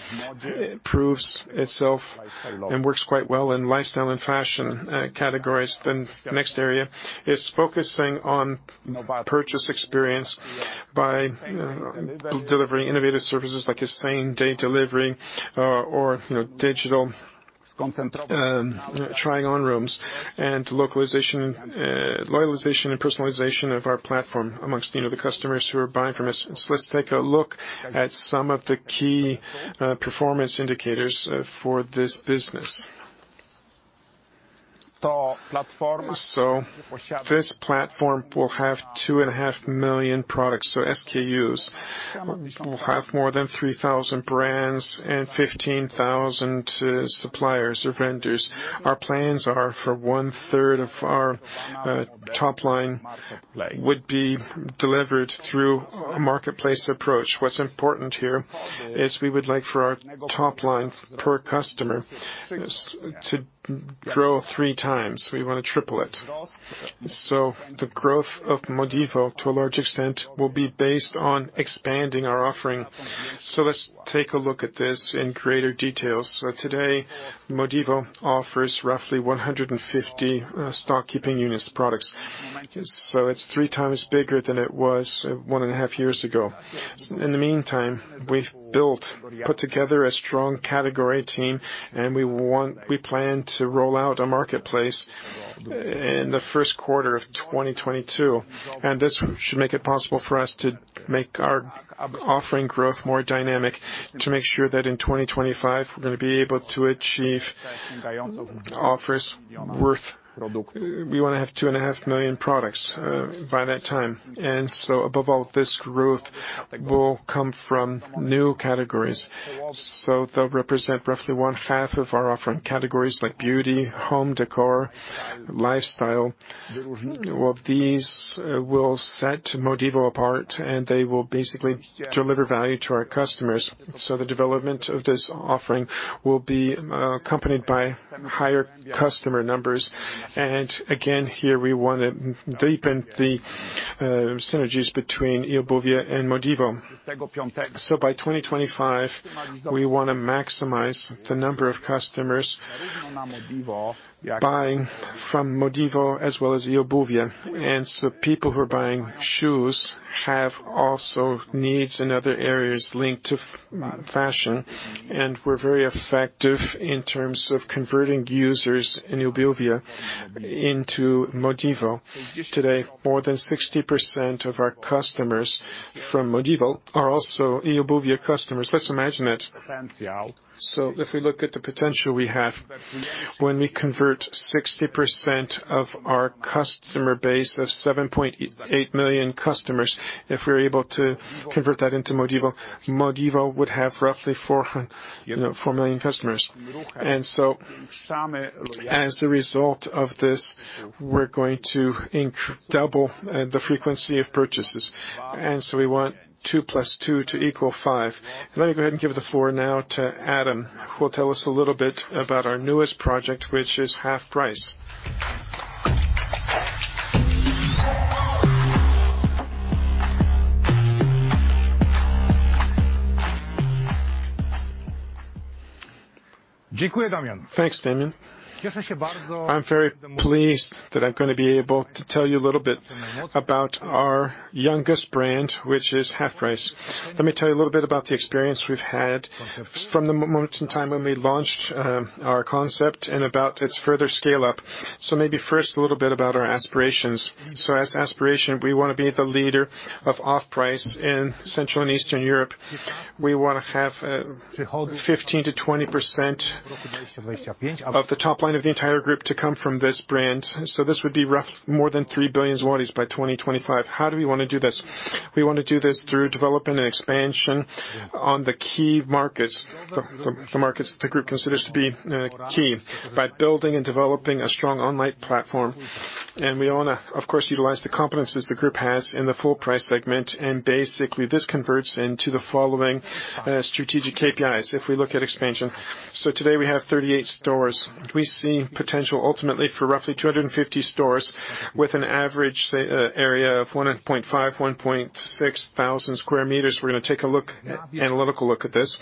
S4: proves itself and works quite well in lifestyle and fashion categories. Next area is focusing on purchase experience by, you know, delivering innovative services like the same-day delivery or, you know, digital trying on rooms and localization, loyalization, and personalization of our platform amongst, you know, the customers who are buying from us. Let's take a look at some of the key performance indicators for this business. This platform will have 2.5 million products, so SKUs. We'll have more than 3,000 brands and 15,000 suppliers or vendors. Our plans are for 1/3 of our top line would be delivered through a marketplace approach. What's important here is we would like for our top line per customer to grow three times. We wanna triple it. The growth of MODIVO, to a large extent, will be based on expanding our offering. Let's take a look at this in greater details. Today, MODIVO offers roughly 150 stock keeping units products. It's three times bigger than it was 1.5-years ago. In the meantime, we've built, put together a strong category team, and we want... We plan to roll out a marketplace in the first quarter of 2022, and this should make it possible for us to make our offering growth more dynamic to make sure that in 2025 we're gonna be able to achieve offers worth. We wanna have 2.5 million products by that time. Above all, this growth will come from new categories. They'll represent roughly one half of our offering categories like beauty, home decor, lifestyle. Well, these will set MODIVO apart, and they will basically deliver value to our customers. The development of this offering will be accompanied by higher customer numbers. Again, here we wanna deepen the synergies between eobuwie and MODIVO. By 2025, we wanna maximize the number of customers buying from MODIVO as well as eobuwie. People who are buying shoes have also needs in other areas linked to fashion, and we're very effective in terms of converting users in eobuwie into MODIVO. Today, more than 60% of our customers from MODIVO are also eobuwie customers. Let's imagine it. If we look at the potential we have, when we convert 60% of our customer base of 7.8 million customers, if we're able to convert that into MODIVO would have roughly four, you know, 4 million customers. As a result of this, we're going to double the frequency of purchases. We want 2 + 2 to equal 5. Let me go ahead and give the floor now to Adam, who will tell us a little bit about our newest project, which is HalfPrice.
S5: Thanks, Damian. I'm very pleased that I'm gonna be able to tell you a little bit about our youngest brand, which is HalfPrice. Let me tell you a little bit about the experience we've had from the moment in time when we launched our concept and about its further scale-up. Maybe first a little bit about our aspirations. Our aspiration, we wanna be the leader of off-price in Central and Eastern Europe. We want to have 15%-20% of the top line of the entire group to come from this brand. This would be roughly more than 3 billion zlotys by 2025. How do we wanna do this? We wanna do this through development and expansion on the key markets, the markets the group considers to be key, by building and developing a strong online platform. We wanna, of course, utilize the competencies the group has in the full price segment, and basically this converts into the following, strategic KPIs if we look at expansion. Today we have 38 stores. We see potential ultimately for roughly 250 stores with an average, say, area of 1.5-1.6 thousand sq m. We're gonna take an analytical look at this.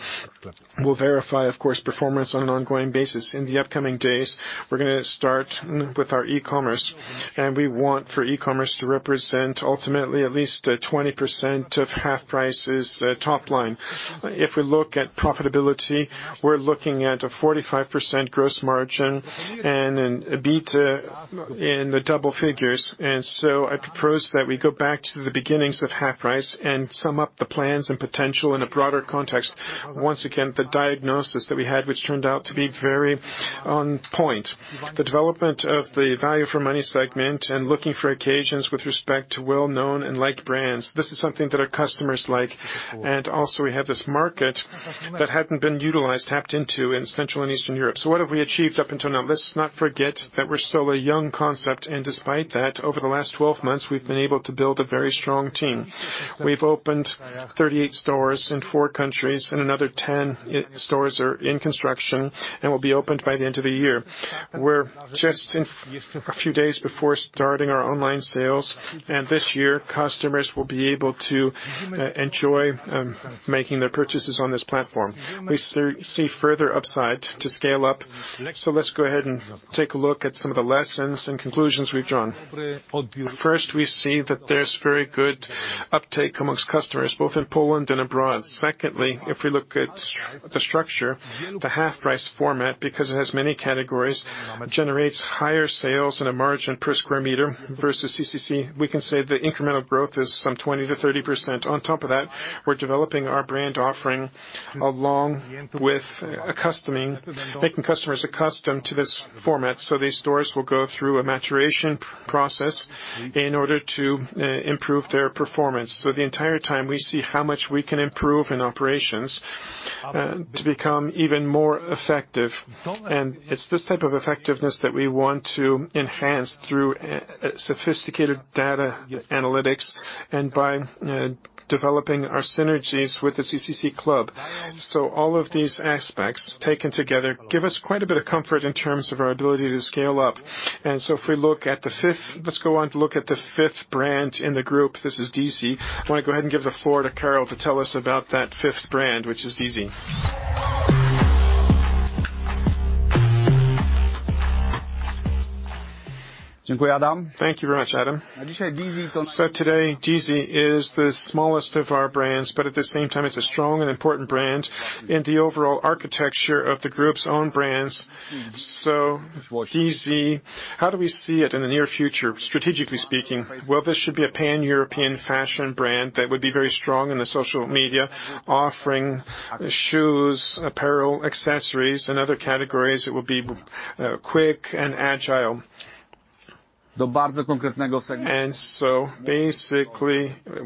S5: We'll verify, of course, performance on an ongoing basis. In the upcoming days, we're gonna start with our e-commerce, and we want for e-commerce to represent ultimately at least 20% of HalfPrice's top line. If we look at profitability, we're looking at a 45% gross margin and an EBITDA in the double figures. I propose that we go back to the beginnings of HalfPrice and sum up the plans and potential in a broader context. Once again, the diagnosis that we had, which turned out to be very on point, the development of the value for money segment and looking for occasions with respect to well-known and liked brands. This is something that our customers like. We have this market that hadn't been utilized, tapped into in Central and Eastern Europe. What have we achieved up until now? Let's not forget that we're still a young concept, and despite that, over the last 12-months, we've been able to build a very strong team. We've opened 38 stores in four countries, and another 10 i-stores are in construction and will be opened by the end of the year. We're just a few days before starting our online sales, and this year, customers will be able to enjoy making their purchases on this platform. We see further upside to scale up. Let's go ahead and take a look at some of the lessons and conclusions we've drawn. First, we see that there's very good uptake among customers, both in Poland and abroad. Secondly, if we look at the structure, the HalfPrice format, because it has many categories, generates higher sales and a margin per sq m versus CCC. We can say the incremental growth is some 20%-30%. On top of that, we're developing our brand offering along with accustoming, making customers accustomed to this format. These stores will go through a maturation process in order to improve their performance. The entire time, we see how much we can improve in operations, to become even more effective. It's this type of effectiveness that we want to enhance through sophisticated data analytics and by developing our synergies with the CCC Club. All of these aspects, taken together, give us quite a bit of comfort in terms of our ability to scale up. Let's go on to look at the fifth brand in the group. This is DeeZee. I wanna go ahead and give the floor to Karol to tell us about that fifth brand, which is DeeZee.
S3: Thank you very much, Adam. Today, DeeZee is the smallest of our brands, but at the same time, it's a strong and important brand in the overall architecture of the group's own brands. DeeZee, how do we see it in the near future, strategically speaking? Well, this should be a pan-European fashion brand that would be very strong in the social media, offering shoes, apparel, accessories, and other categories. It will be quick and agile. Basically,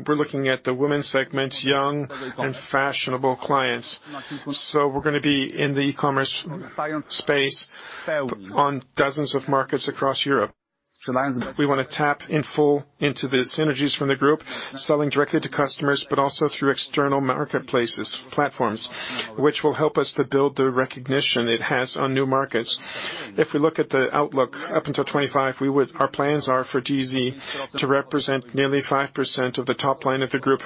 S3: we're looking at the women segment, young and fashionable clients. We're gonna be in the e-commerce space on dozens of markets across Europe. We wanna tap in full into the synergies from the group, selling directly to customers, but also through external marketplaces, platforms, which will help us to build the recognition it has on new markets. If we look at the outlook up until 25, our plans are for DeeZee to represent nearly 5% of the top line of the group.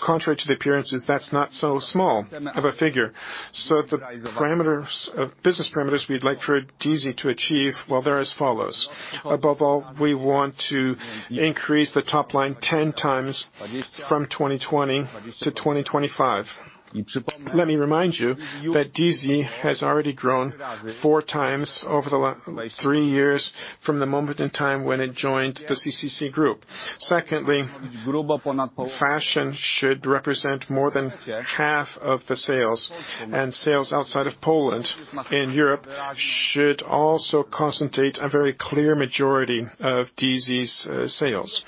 S3: Contrary to the appearances, that's not so small of a figure. business parameters we'd like for DeeZee to achieve, well, they're as follows. Above all, we want to increase the top line 10 times from 2020 to 2025. Let me remind you that DeeZee has already grown four times over the three years from the moment in time when it joined the CCC Group. Secondly, fashion should represent more than half of the sales, and sales outside of Poland and Europe should also concentrate a very clear majority of DeeZee's sales.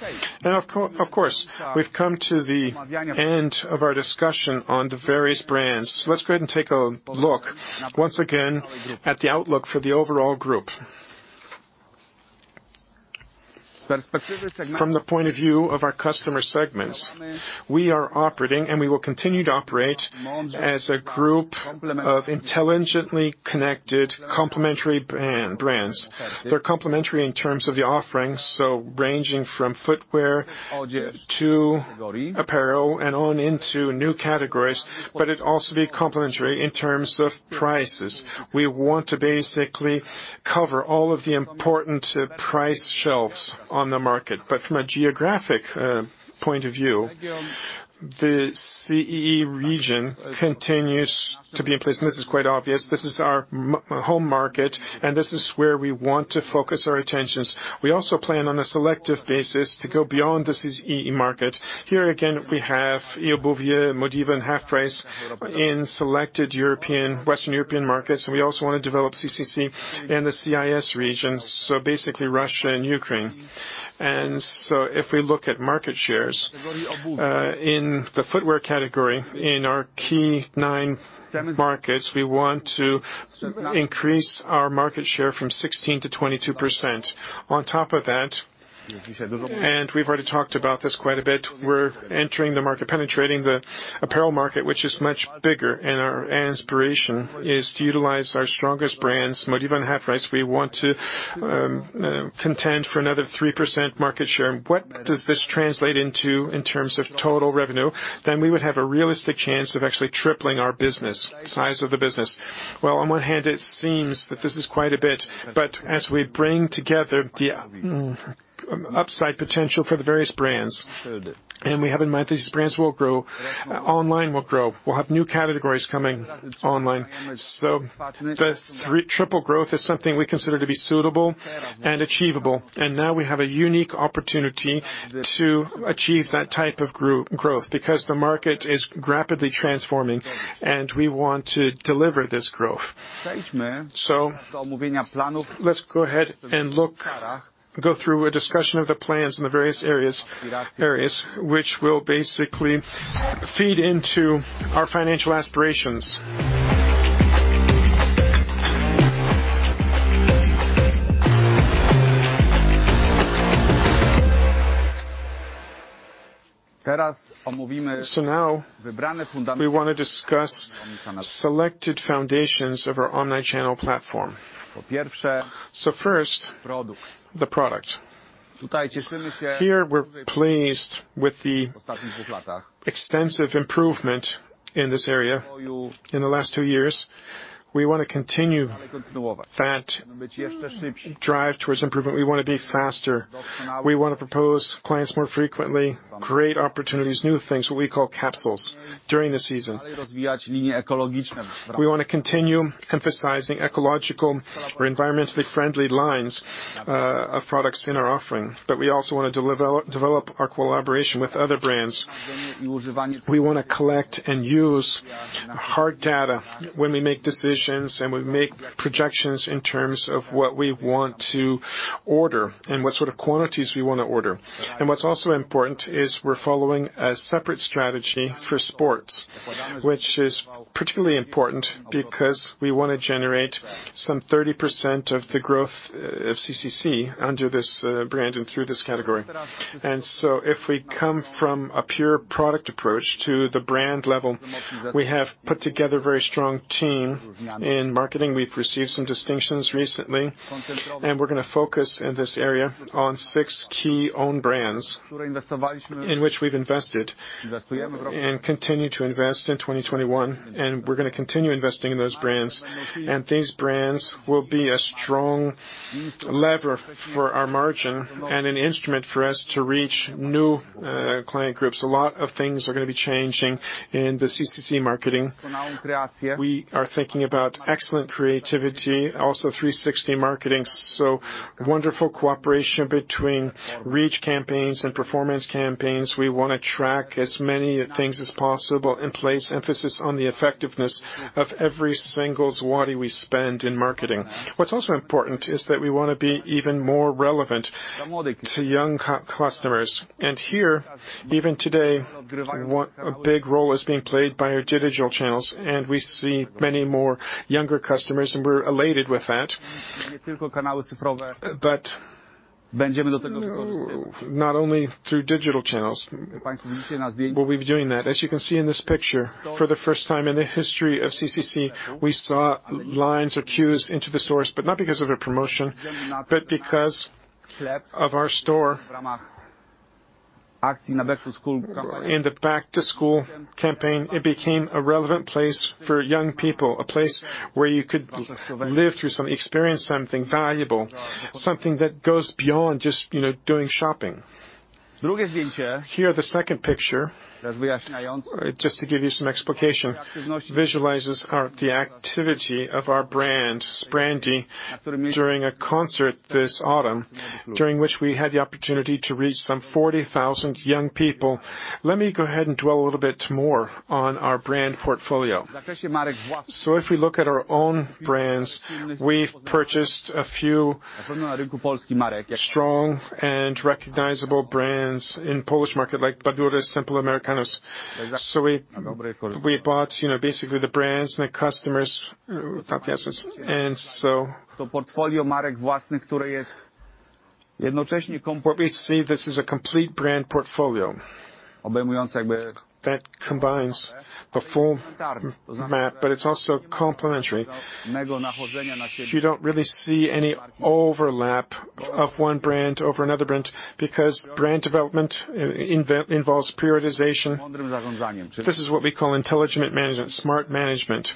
S3: Now, of course, we've come to the end of our discussion on the various brands. Let's go ahead and take a look once again at the outlook for the overall group. From the point of view of our customer segments, we are operating, and we will continue to operate, as a group of intelligently connected complementary brands. They're complementary in terms of the offerings, so ranging from footwear to apparel and on into new categories, but it also be complementary in terms of prices. We want to basically cover all of the important price shelves on the market. From a geographic point of view, the CEE region continues to be in place, and this is quite obvious. This is our home market, and this is where we want to focus our attention. We also plan on a selective basis to go beyond the CEE market. Here again, we have eobuwie, MODIVO, and HalfPrice in selected European, Western European markets. We also want to develop CCC in the CIS region, so basically Russia and Ukraine. If we look at market shares in the footwear category in our key nine markets, we want to increase our market share from 16%-22%. On top of that, we've already talked about this quite a bit. We're entering the market, penetrating the apparel market, which is much bigger, and our aspiration is to utilize our strongest brands, MODIVO and HalfPrice. We want to contend for another 3% market share. What does this translate into in terms of total revenue? We would have a realistic chance of actually tripling our business, size of the business. Well, on one hand, it seems that this is quite a bit, but as we bring together the upside potential for the various brands, and we have in mind these brands will grow, online will grow. We'll have new categories coming online. The triple growth is something we consider to be suitable and achievable, and now we have a unique opportunity to achieve that type of growth because the market is rapidly transforming, and we want to deliver this growth. Let's go ahead and look, go through a discussion of the plans in the various areas which will basically feed into our financial aspirations. Now we wanna discuss selected foundations of our online channel platform. First, the product. Here we're pleased with the extensive improvement in this area in the last two years. We wanna continue that drive towards improvement. We wanna be faster. We wanna propose clients more frequently, create opportunities, new things, what we call capsules during the season. We wanna continue emphasizing ecological or environmentally friendly lines of products in our offering, but we also wanna develop our collaboration with other brands. We wanna collect and use hard data when we make decisions, and we make projections in terms of what we want to order and what sort of quantities we wanna order. What's also important is we're following a separate strategy for sports, which is particularly important because we wanna generate some 30% of the growth of CCC under this brand and through this category. If we come from a pure product approach to the brand level, we have put together a very strong team in marketing. We've received some distinctions recently, and we're gonna focus in this area on six key own brands in which we've invested and continue to invest in 2021, and we're gonna continue investing in those brands. These brands will be a strong lever for our margin and an instrument for us to reach new client groups. A lot of things are gonna be changing in the CCC marketing. We are thinking about excellent creativity, also 360° marketing, so wonderful cooperation between reach campaigns and performance campaigns. We wanna track as many things as possible and place emphasis on the effectiveness of every single złoty we spend in marketing. What's also important is that we wanna be even more relevant to young customers. Here, even today, a big role is being played by our digital channels, and we see many more younger customers, and we're elated with that. Not only through digital channels will we be doing that. As you can see in this picture, for the first time in the history of CCC, we saw lines or queues into the stores, but not because of a promotion, but because of our store. In the back-to-school campaign, it became a relevant place for young people, a place where you could live through some experience something valuable, something that goes beyond just, you know, doing shopping. Here, the second picture, just to give you some explanation, visualizes our branding activity during a concert this autumn, during which we had the opportunity to reach some 40,000 young people. Let me go ahead and dwell a little bit more on our brand portfolio. If we look at our own brands, we've purchased a few strong and recognizable brands in Polish market like Badura, Simple Americanos. We bought, you know, basically the brands and the customers. What we see, this is a complete brand portfolio that combines the full map, but it's also complementary. You don't really see any overlap of one brand over another brand because brand development involves prioritization. This is what we call intelligent management, smart management.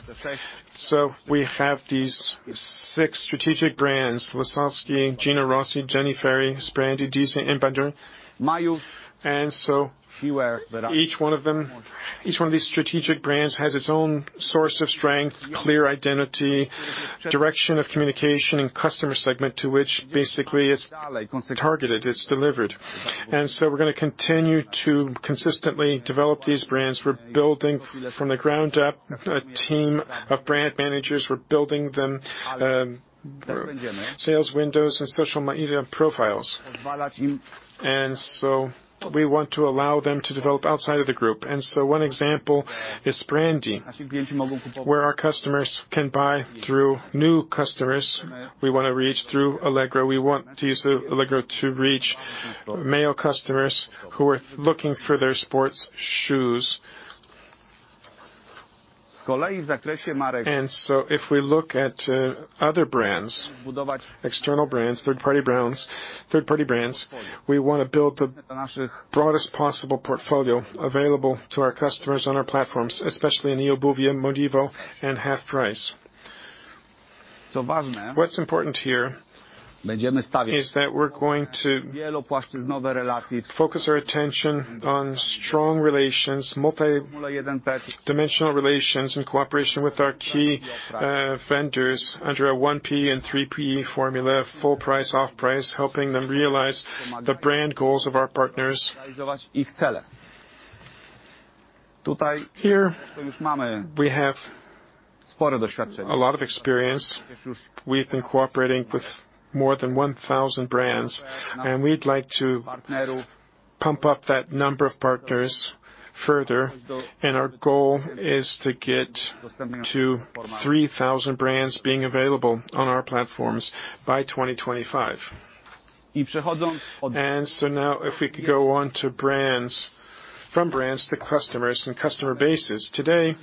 S3: We have these six strategic brands, Lasocki, Gino Rossi, Jenny Fairy, Sprandi, DeeZee, and Badura. Each one of them, each one of these strategic brands has its own source of strength, clear identity, direction of communication, and customer segment to which basically it's targeted, it's delivered. We're gonna continue to consistently develop these brands. We're building from the ground up a team of brand managers. We're building them, sales windows and social media profiles. We want to allow them to develop outside of the group. One example is Sprandi, where we wanna reach new customers through Allegro. We want to use Allegro to reach male customers who are looking for their sports shoes. If we look at other brands, external brands, third-party brands, we wanna build the broadest possible portfolio available to our customers on our platforms, especially in eobuwie, MODIVO, and HalfPrice. What's important here is that we're going to focus our attention on strong relations, multi-dimensional relations and cooperation with our key vendors under a 1P and 3P formula, full price, half price, helping them realize the brand goals of our partners. Here we have a lot of experience. We've been cooperating with more than 1,000 brands, and we'd like to pump up that number of partners further. Our goal is to get to 3,000 brands being available on our platforms by 2025. Now if we could go on to brands, from brands to customers and customer bases. Today,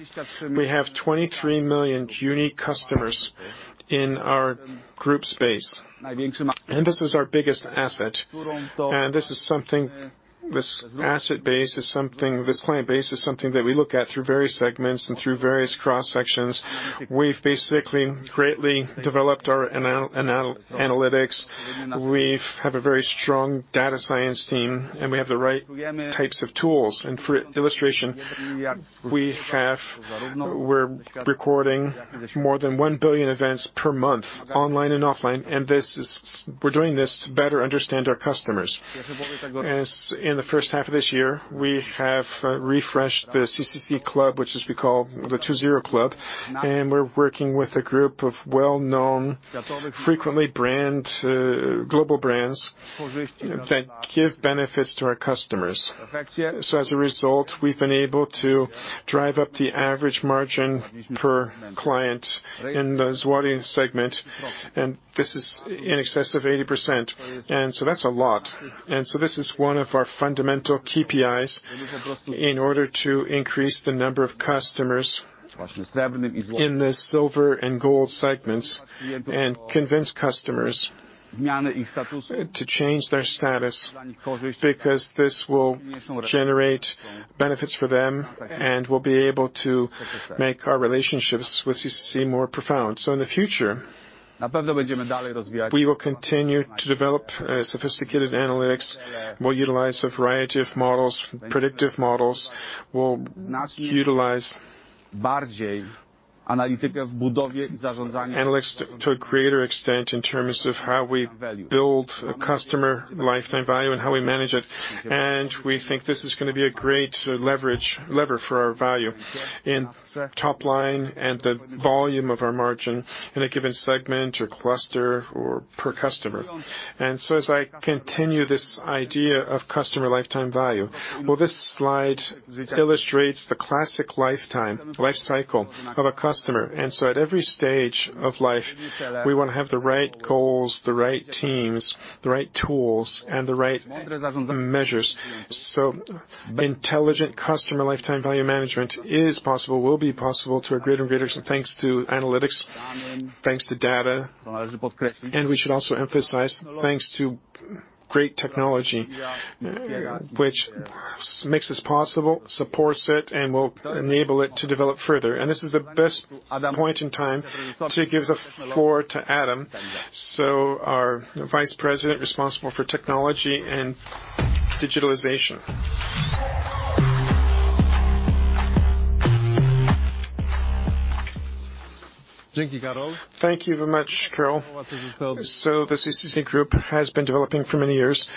S3: we have 23 million unique customers in our group space, and this is our biggest asset. This asset base, this client base is something that we look at through various segments and through various cross-sections. We've basically greatly developed our analytics. We have a very strong data science team, and we have the right types of tools. For illustration, we're recording more than 1 billion events per month, online and offline. We're doing this to better understand our customers. As in the first half of this year, we have refreshed the CCC Club, which we call the CCC Club 2.0, and we're working with a group of well-known global brands that give benefits to our customers. As a result, we've been able to drive up the average margin per client in the loyalty segment, and this is in excess of 80%. That's a lot. This is one of our fundamental KPIs in order to increase the number of customers in the silver and gold segments and convince customers to change their status because this will generate benefits for them, and we'll be able to make our relationships with CCC more profound. In the future, we will continue to develop sophisticated analytics. We'll utilize a variety of models, predictive models. We'll utilize analytics to a greater extent in terms of how we build a customer lifetime value and how we manage it. We think this is gonna be a great lever for our value in top line and the volume of our margin in a given segment or cluster or per customer. As I continue this idea of customer lifetime value. Well, this slide illustrates the classic life cycle of a customer. At every stage of life, we wanna have the right goals, the right teams, the right tools, and the right measures. Intelligent customer lifetime value management is possible, will be possible to a greater and greater extent, thanks to analytics, thanks to data. We should also emphasize, thanks to great technology, which makes this possible, supports it, and will enable it to develop further. This is the best point in time to give the floor to Adam. Our Vice President, responsible for technology and digitalization.
S6: Thank you very much, Karol. The CCC Group has been developing for many years,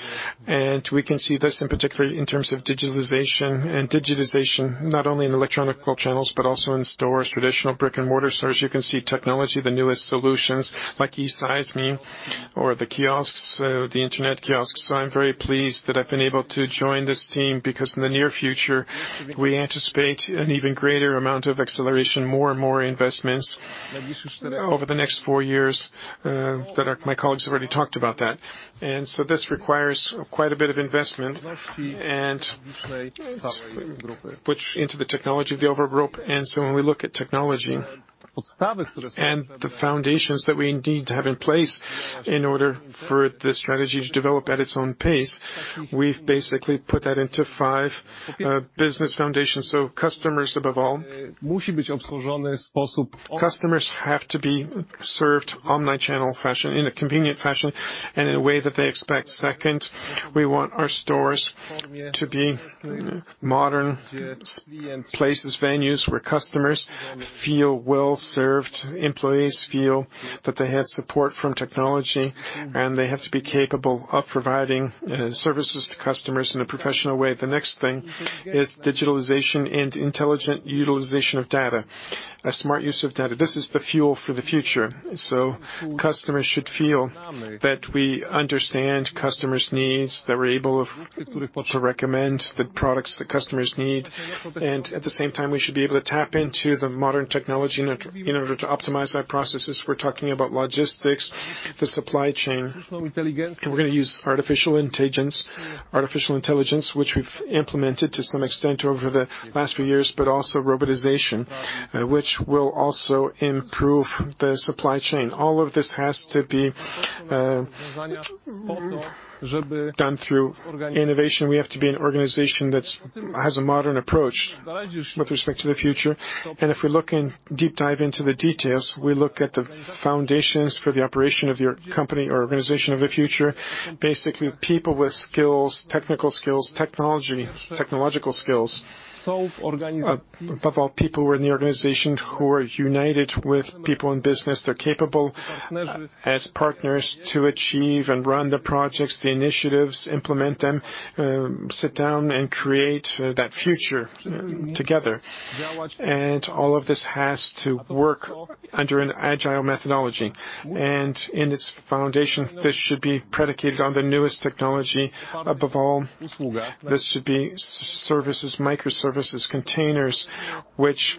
S6: and we can see this in particular in terms of digitalization and digitization, not only in electronic channels, but also in stores, traditional brick-and-mortar stores. You can see technology, the newest solutions like esize.me or the kiosks, the internet kiosks. I'm very pleased that I've been able to join this team because in the near future, we anticipate an even greater amount of acceleration, more and more investments over the next four years. My colleagues have already talked about that. This requires quite a bit of investment into the technology of the overall group. When we look at technology and the foundations that we indeed have in place in order for the strategy to develop at its own pace, we've basically put that into five business foundations. Customers, above all. Customers have to be served omni-channel fashion, in a convenient fashion, and in a way that they expect. Second, we want our stores to be modern places, venues where customers feel well served, employees feel that they have support from technology, and they have to be capable of providing services to customers in a professional way. The next thing is digitalization and intelligent utilization of data. A smart use of data. This is the fuel for the future. Customers should feel that we understand customers' needs, that we're able to recommend the products that customers need. At the same time, we should be able to tap into the modern technology in order to optimize our processes. We're talking about logistics, the supply chain. We're gonna use artificial intelligence, which we've implemented to some extent over the last few years, but also robotization, which will also improve the supply chain. All of this has to be done through innovation. We have to be an organization that has a modern approach with respect to the future. If we deep dive into the details, we look at the foundations for the operation of your company or organization of the future. Basically, people with skills, technical skills, technology, technological skills. Above all, people who are in the organization who are united with people in business, they're capable as partners to achieve and run the projects, the initiatives, implement them, sit down and create, that future together. All of this has to work under an agile methodology. In its foundation, this should be predicated on the newest technology. Above all, this should be services, microservices, containers which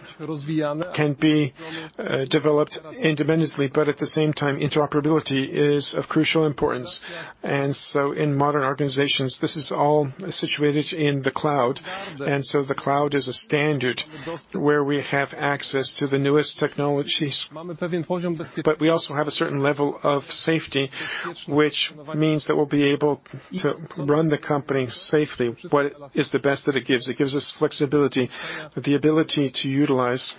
S6: can be developed independently, but at the same time, interoperability is of crucial importance. In modern organizations, this is all situated in the cloud. The cloud is a standard where we have access to the newest technologies. We also have a certain level of safety, which means that we'll be able to run the company safely. What is the best that it gives? It gives us flexibility, the ability to utilize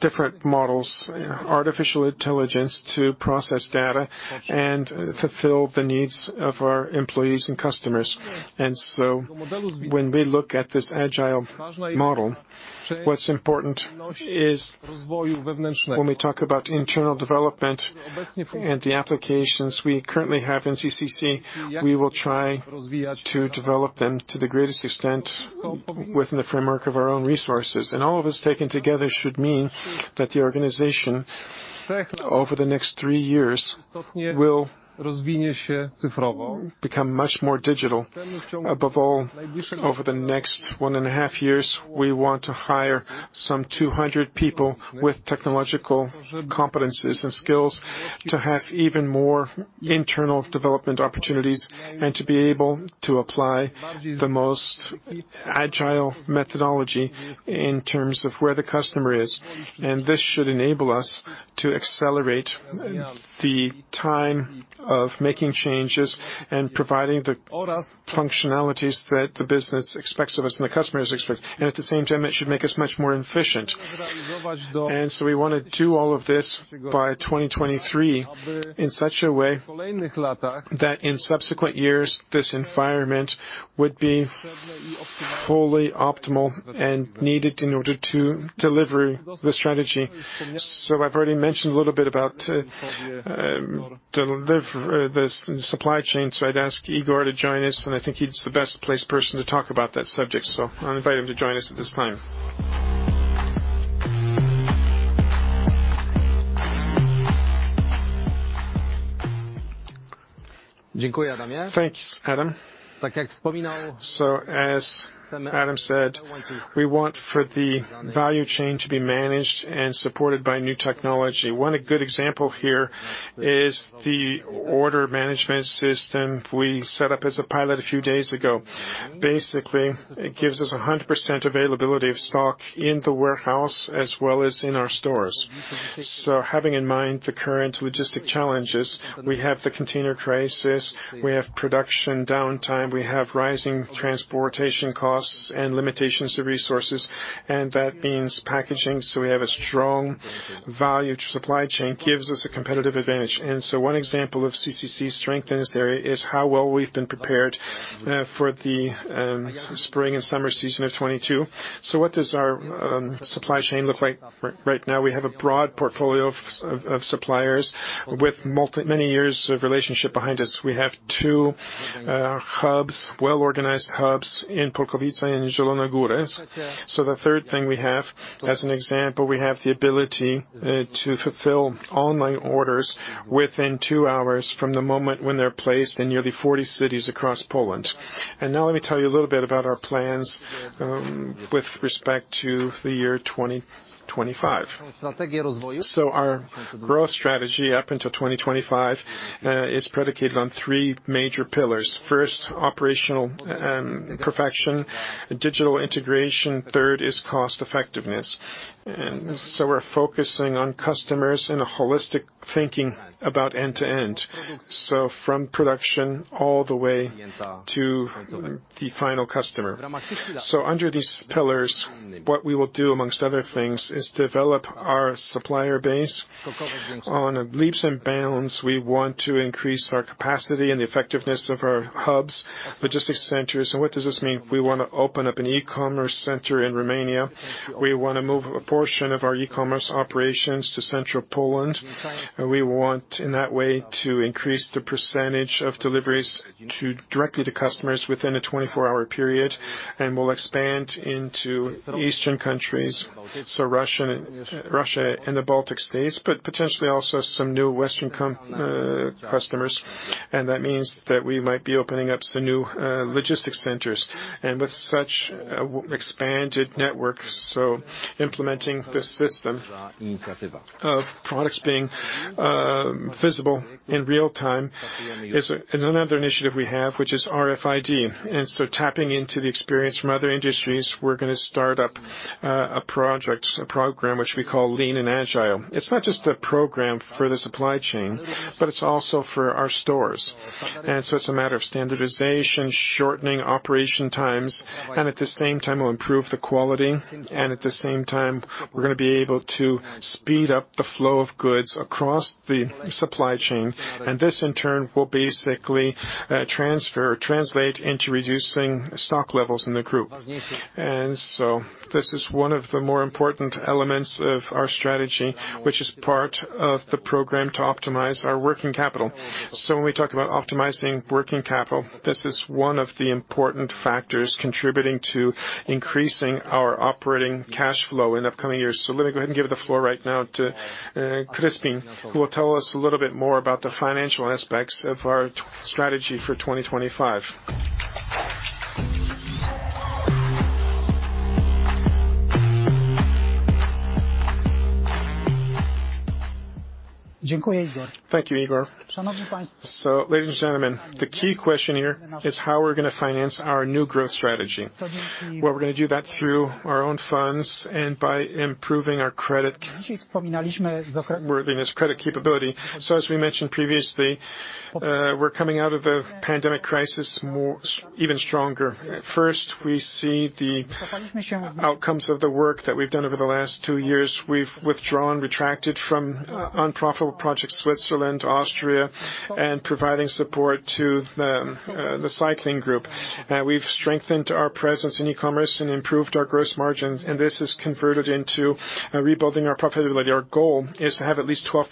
S6: different models, artificial intelligence to process data and fulfill the needs of our employees and customers. When we look at this agile model, what's important is when we talk about internal development and the applications we currently have in CCC, we will try to develop them to the greatest extent within the framework of our own resources. All of this taken together should mean that the organization over the next three years will become much more digital. Above all, over the next 1.5 years, we want to hire some 200 people with technological competencies and skills to have even more internal development opportunities and to be able to apply the most agile methodology in terms of where the customer is. This should enable us to accelerate the time of making changes and providing the functionalities that the business expects of us and the customers expect. At the same time, it should make us much more efficient. We wanna do all of this by 2023 in such a way that in subsequent years, this environment would be fully optimal and needed in order to deliver the strategy. I've already mentioned a little bit about the supply chain, so I'd ask Igor to join us, and I think he's the best placed person to talk about that subject. I'll invite him to join us at this time.
S7: Thanks, Adam. As Adam said, we want for the value chain to be managed and supported by new technology. One good example here is the order management system we set up as a pilot a few days ago. Basically, it gives us 100% availability of stock in the warehouse as well as in our stores. Having in mind the current logistics challenges, we have the container crisis, we have production downtime, we have rising transportation costs and limitations to resources, and that means packaging. We have a strong supply chain, gives us a competitive advantage. One example of CCC's strength in this area is how well we've been prepared for the spring and summer season of 2022. What does our supply chain look like right now? We have a broad portfolio of suppliers with many years of relationship behind us. We have two well-organized hubs in Polkowice and Zielona Góra. The third thing we have, as an example, we have the ability to fulfill online orders within 2 hours from the moment when they're placed in nearly 40 cities across Poland. Now let me tell you a little bit about our plans with respect to the year 2025. Our growth strategy up until 2025 is predicated on three major pillars. First, operational perfection, digital integration, third is cost effectiveness. We're focusing on customers in a holistic thinking about end to end. From production all the way to the final customer. Under these pillars, what we will do among other things is develop our supplier base. In leaps and bounds, we want to increase our capacity and the effectiveness of our hubs, logistic centers. What does this mean? We wanna open up an e-commerce center in Romania. We wanna move a portion of our e-commerce operations to central Poland, and we want in that way to increase the percentage of deliveries directly to customers within a 24-hour period. We'll expand into eastern countries, so Russia and the Baltic States, but potentially also some new western customers. That means that we might be opening up some new logistic centers and with such a expanded network. Implementing this system of products being visible in real time is another initiative we have, which is RFID. Tapping into the experience from other industries, we're gonna start up a project, a program which we call Lean and Agile. It's not just a program for the supply chain, but it's also for our stores. It's a matter of standardization, shortening operation times, and at the same time will improve the quality. At the same time, we're gonna be able to speed up the flow of goods across the supply chain. This in turn, will basically, transfer or translate into reducing stock levels in the group. This is one of the more important elements of our strategy, which is part of the program to optimize our working capital. When we talk about optimizing working capital, this is one of the important factors contributing to increasing our operating cash flow in upcoming years. Let me go ahead and give the floor right now to, Kryspin, who will tell us a little bit more about the financial aspects of our strategy for 2025.
S8: Thank you, Igor. Ladies and gentlemen, the key question here is how we're gonna finance our new growth strategy. Well, we're gonna do that through our own funds and by improving our credit worthiness, credit capability. As we mentioned previously, we're coming out of the pandemic crisis even stronger. First, we see the outcomes of the work that we've done over the last two years. We've withdrawn, retracted from unprofitable projects, Switzerland, Austria, and providing support to the CCC Group. We've strengthened our presence in e-commerce and improved our gross margins, and this is converted into rebuilding our profitability. Our goal is to have at least 12%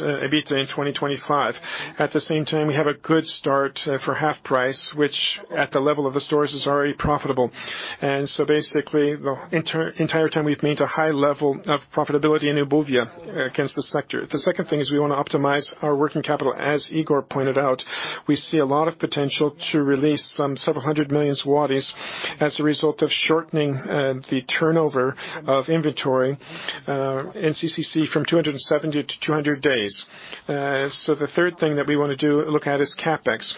S8: EBITDA in 2025. At the same time, we have a good start for HalfPrice, which at the level of the stores is already profitable. Basically, the entire time we've maintained a high level of profitability in eobuwie against the sector. The second thing is we wanna optimize our working capital. As Igor pointed out, we see a lot of potential to release several hundred million PLN as a result of shortening the turnover of inventory in CCC from 270 to 200 days. The third thing that we wanna do, look at is CapEx.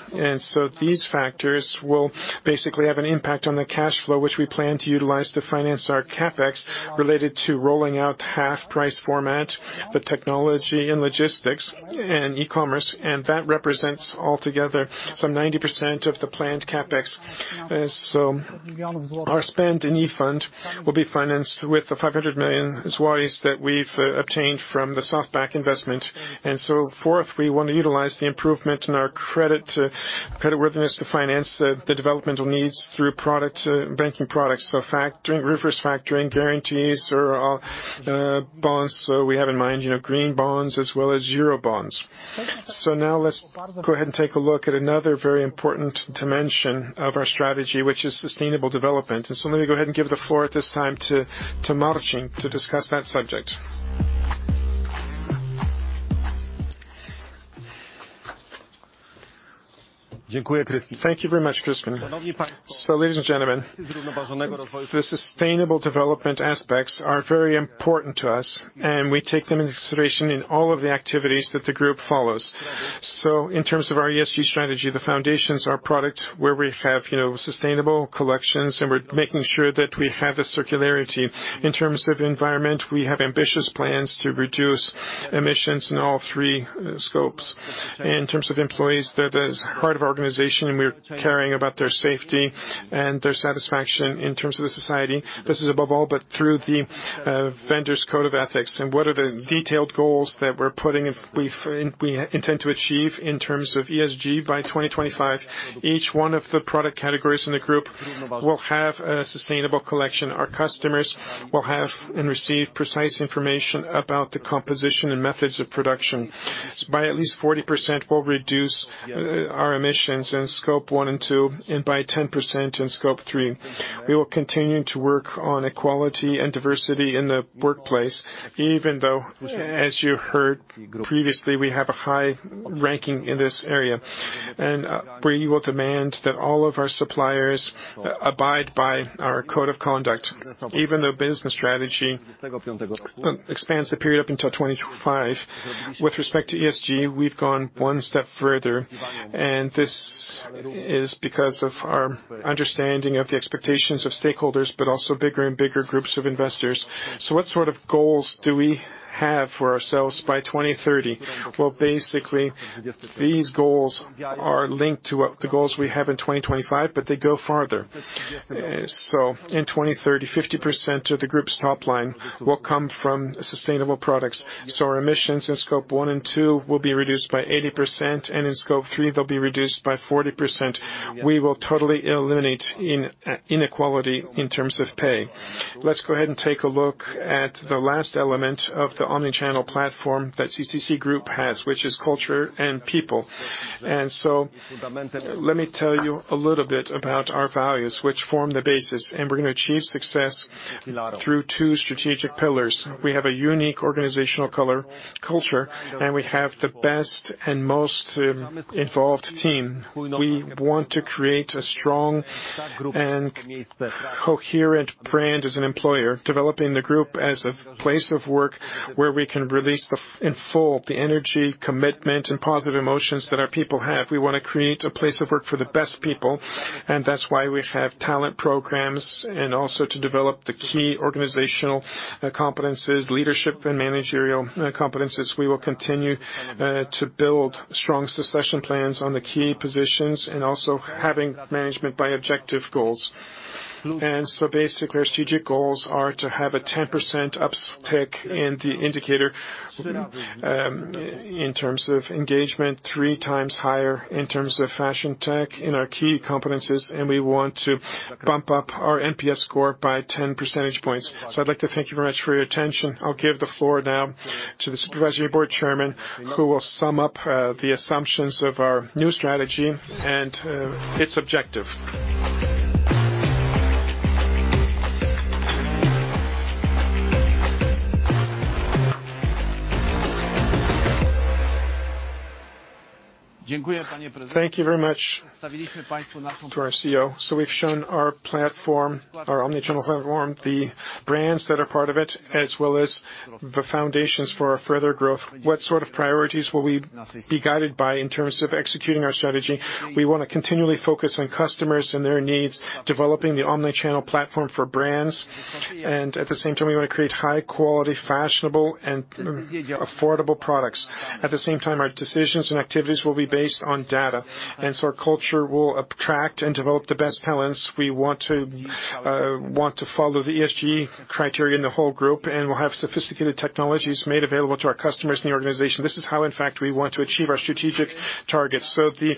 S8: These factors will basically have an impact on the cash flow, which we plan to utilize to finance our CapEx related to rolling out HalfPrice format, the technology and logistics and e-commerce. That represents altogether 90% of the planned CapEx. Our spend in eobuwie will be financed with the 500 million zlotys that we've obtained from the SoftBank investment. Fourth, we want to utilize the improvement in our credit worthiness to finance the developmental needs through product banking products. Factoring, reverse factoring, guarantees or bonds. We have in mind, you know, green bonds as well as euro bonds. Now let's go ahead and take a look at another very important dimension of our strategy, which is sustainable development. Let me go ahead and give the floor at this time to Marcin to discuss that subject.
S2: Thank you very much, Kryspin. Ladies and gentlemen, the sustainable development aspects are very important to us, and we take them into consideration in all of the activities that the group follows. In terms of our ESG strategy, the foundations are product where we have, you know, sustainable collections, and we're making sure that we have the circularity. In terms of environment, we have ambitious plans to reduce emissions in all three Scopes. In terms of employees, they're the heart of our organization, and we're caring about their safety and their satisfaction in terms of the society. This is above all, but through the vendors' code of ethics. What are the detailed goals that we intend to achieve in terms of ESG by 2025? Each one of the product categories in the group will have a sustainable collection. Our customers will have and receive precise information about the composition and methods of production. By at least 40%, we'll reduce our emissions in Scope 1 and 2 and by 10% in Scope 3. We will continue to work on equality and diversity in the workplace, even though, as you heard previously, we have a high ranking in this area. We will demand that all of our suppliers abide by our code of conduct, even though business strategy expands the period up until 2025. With respect to ESG, we've gone one step further, and this is because of our understanding of the expectations of stakeholders but also bigger and bigger groups of investors. What sort of goals do we have for ourselves by 2030? Well, basically, these goals are linked to the goals we have in 2025, but they go farther. In 2030, 50% of the group's top line will come from sustainable products. Our emissions in scope one and two will be reduced by 80%, and in scope three, they'll be reduced by 40%. We will totally eliminate inequality in terms of pay. Let's go ahead and take a look at the last element of the omnichannel platform that CCC Group has, which is culture and people. Let me tell you a little bit about our values, which form the basis, and we're gonna achieve success through two strategic pillars. We have a unique organizational culture, and we have the best and most involved team. We want to create a strong and coherent brand as an employer, developing the group as a place of work where we can release in full the energy, commitment, and positive emotions that our people have. We wanna create a place of work for the best people, and that's why we have talent programs and also to develop the key organizational competencies, leadership and managerial competencies. We will continue to build strong succession plans on the key positions and also having management by objective goals. Basically, our strategic goals are to have a 10% uptick in the indicator in terms of engagement, three times higher in terms of fashion tech in our key competencies, and we want to bump up our NPS score by 10 percentage points. I'd like to thank you very much for your attention. I'll give the floor now to the Supervisory Board Chairman, who will sum up the assumptions of our new strategy and its objective.
S9: Thank you very much to our CEO. We've shown our platform, our omni-channel platform, the brands that are part of it, as well as the foundations for our further growth. What sort of priorities will we be guided by in terms of executing our strategy? We wanna continually focus on customers and their needs, developing the omni-channel platform for brands. At the same time, we wanna create high quality, fashionable, and affordable products. At the same time, our decisions and activities will be based on data. Our culture will attract and develop the best talents. We want to follow the ESG criteria in the whole group, and we'll have sophisticated technologies made available to our customers in the organization. This is how, in fact, we want to achieve our strategic targets. The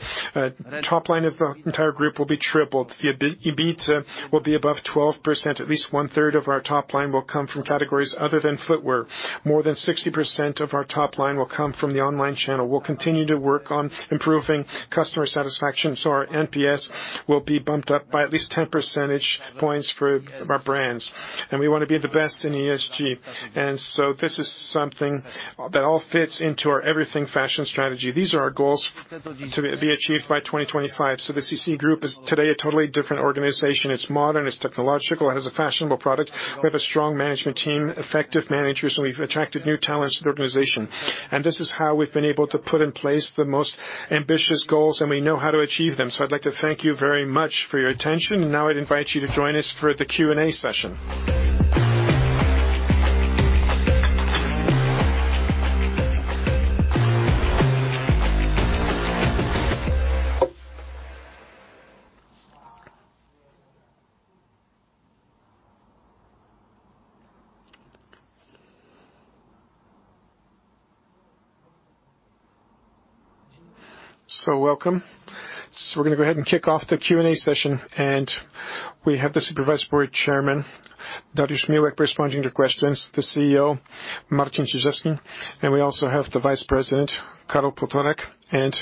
S9: top line of the entire group will be tripled. The EBIT will be above 12%. At least 1/3 of our top line will come from categories other than footwear. More than 60% of our top line will come from the online channel. We'll continue to work on improving customer satisfaction, so our NPS will be bumped up by at least 10 percentage points for our brands. We wanna be the best in ESG. This is something that all fits into our Everything Fashion strategy. These are our goals to be achieved by 2025. The CCC Group is today a totally different organization. It's modern, it's technological, it has a fashionable product. We have a strong management team, effective managers, and we've attracted new talents to the organization. This is how we've been able to put in place the most ambitious goals, and we know how to achieve them. I'd like to thank you very much for your attention, and now I'd invite you to join us for the Q&A session.
S1: Welcome. We're gonna go ahead and kick off the Q&A session, and we have the Supervisory Board Chairman, Dariusz Miłek, responding to questions, the CEO, Marcin Czyczerski, and we also have the Vice President, Karol Półtorak, and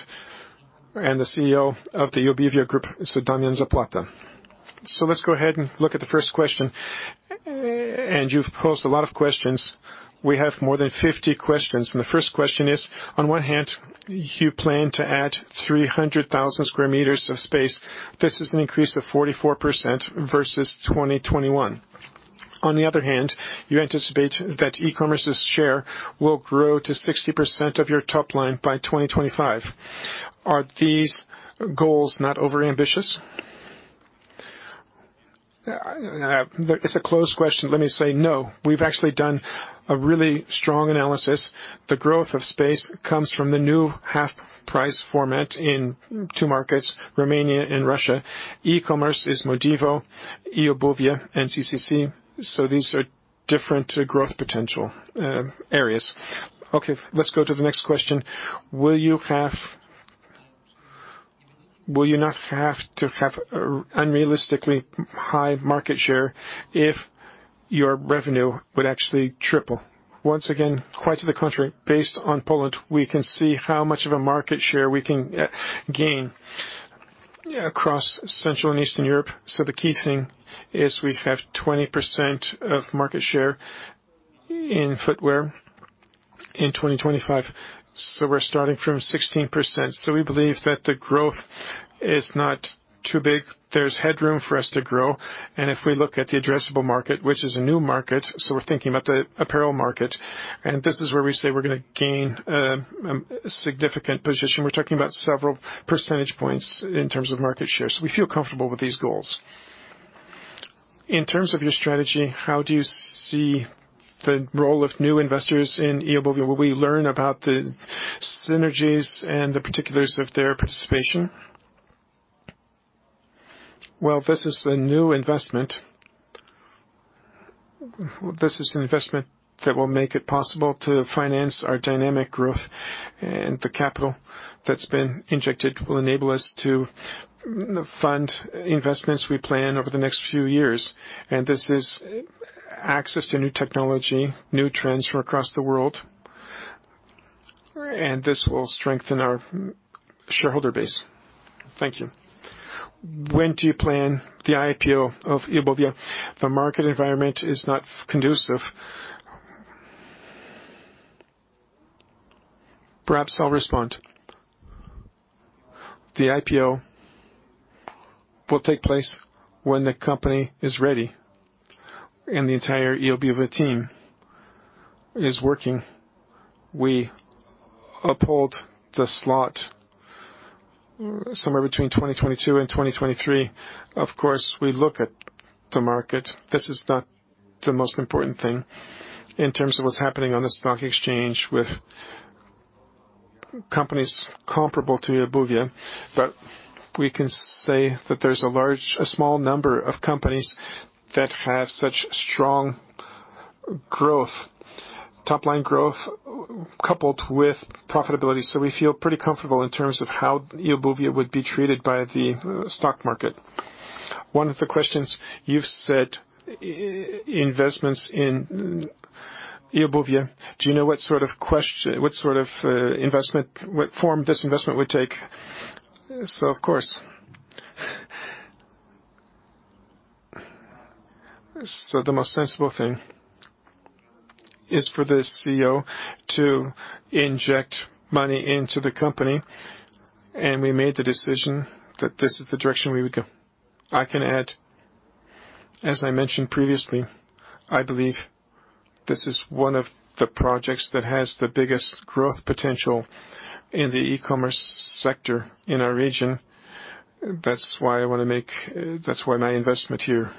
S1: the CEO of the eobuwie Group, Damian Zapłata. Let's go ahead and look at the first question. You've posed a lot of questions. We have more than 50 questions. The first question is, on one hand, you plan to add 300,000 sq m of space. This is an increase of 44% versus 2021. On the other hand, you anticipate that e-commerce's share will grow to 60% of your top line by 2025. Are these goals not overambitious?
S2: It's a closed question. Let me say, no. We've actually done a really strong analysis. The growth of space comes from the new HalfPrice format in two markets, Romania and Russia. E-commerce is MODIVO, eobuwie, and CCC. These are different growth potential areas. Okay, let's go to the next question. Will you not have to have unrealistically high market share if your revenue would actually triple? Once again, quite to the contrary, based on Poland, we can see how much of a market share we can gain across Central and Eastern Europe. The key thing is we have 20% of market share in footwear in 2025, so we're starting from 16%. We believe that the growth is not too big. There's headroom for us to grow. If we look at the addressable market, which is a new market, so we're thinking about the apparel market, and this is where we say we're gonna gain significant position. We're talking about several percentage points in terms of market share. We feel comfortable with these goals. In terms of your strategy, how do you see the role of new investors in eobuwie? Will we learn about the synergies and the particulars of their participation? Well, this is a new investment. This is an investment that will make it possible to finance our dynamic growth, and the capital that's been injected will enable us to fund investments we plan over the next few years. This is access to new technology, new trends from across the world, and this will strengthen our shareholder base. Thank you. When do you plan the IPO of eobuwie? The market environment is not conducive. Perhaps I'll respond. The IPO will take place when the company is ready and the entire eobuwie team is working. We uphold the slot somewhere between 2022 and 2023. Of course, we look at the market. This is not the most important thing in terms of what's happening on the stock exchange with companies comparable to eobuwie. We can say that there's a small number of companies that have such strong growth, top-line growth, coupled with profitability. We feel pretty comfortable in terms of how eobuwie would be treated by the stock market. One of the questions, you've said investments in eobuwie. Do you know what sort of, what sort of, investment, what form this investment would take? Of course. The most sensible thing is for the CEO to inject money into the company, and we made the decision that this is the direction we would go. I can add, as I mentioned previously, I believe this is one of the projects that has the biggest growth potential in the e-commerce sector in our region. That's why my investment here.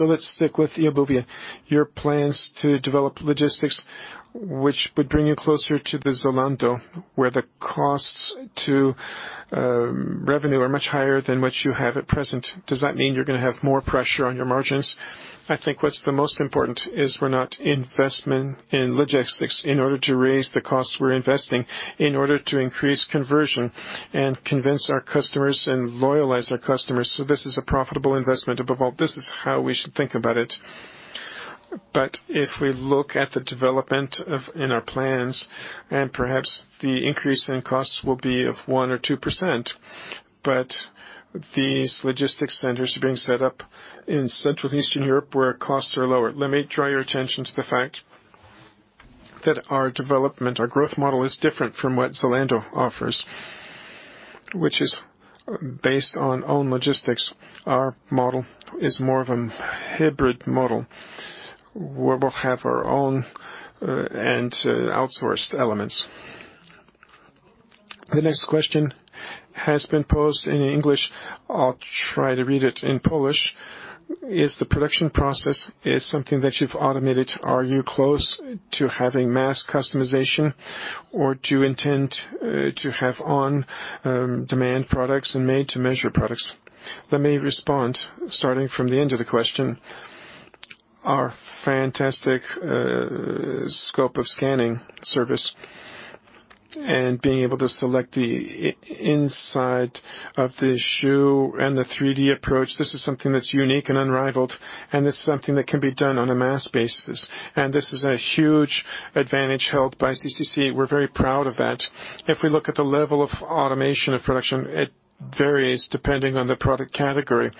S2: Let's stick with eobuwie. Your plans to develop logistics, which would bring you closer to Zalando, where the costs to revenue are much higher than what you have at present. Does that mean you're gonna have more pressure on your margins? I think what's the most important is we're not investing in logistics in order to raise the costs. We're investing in order to increase conversion and convince our customers and loyalize our customers. This is a profitable investment above all. This is how we should think about it. If we look at the development of, in our plans, and perhaps the increase in costs will be of 1 or 2%, but these logistics centers are being set up in Central and Eastern Europe, where costs are lower. Let me draw your attention to the fact that our development, our growth model is different from what Zalando offers, which is based on own logistics. Our model is more of a hybrid model, where we'll have our own, and outsourced elements. The next question has been posed in English. I'll try to read it in Polish. Is the production process something that you've automated? Are you close to having mass customization or do you intend to have on-demand products and made-to-measure products? Let me respond, starting from the end of the question. Our fantastic scope of scanning service and being able to select the inside of the shoe and the 3D approach, this is something that's unique and unrivaled, and it's something that can be done on a mass basis. This is a huge advantage held by CCC. We're very proud of that. If we look at the level of automation of production, it varies depending on the product category.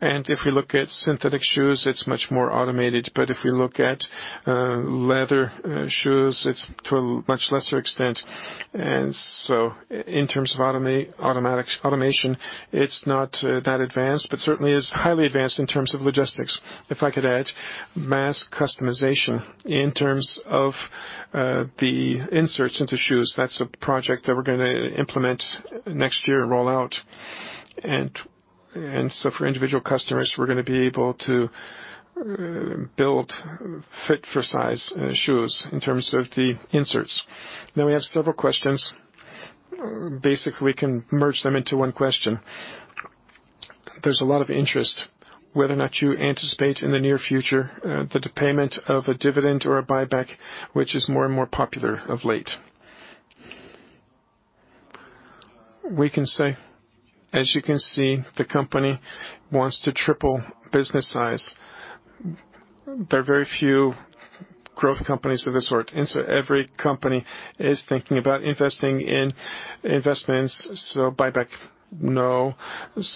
S2: If we look at synthetic shoes, it's much more automated. If we look at leather shoes, it's to a much lesser extent. In terms of automation, it's not that advanced, but certainly is highly advanced in terms of logistics. If I could add mass customization in terms of the inserts into shoes, that's a project that we're gonna implement next year, roll out. For individual customers, we're gonna be able to build fit for size shoes in terms of the inserts. Now we have several questions. Basically, we can merge them into one question. There's a lot of interest whether or not you anticipate in the near future the payment of a dividend or a buyback, which is more and more popular of late. We can say, as you can see, the company wants to triple business size. There are very few growth companies of this sort. Every company is thinking about investing in investments. Buyback, no.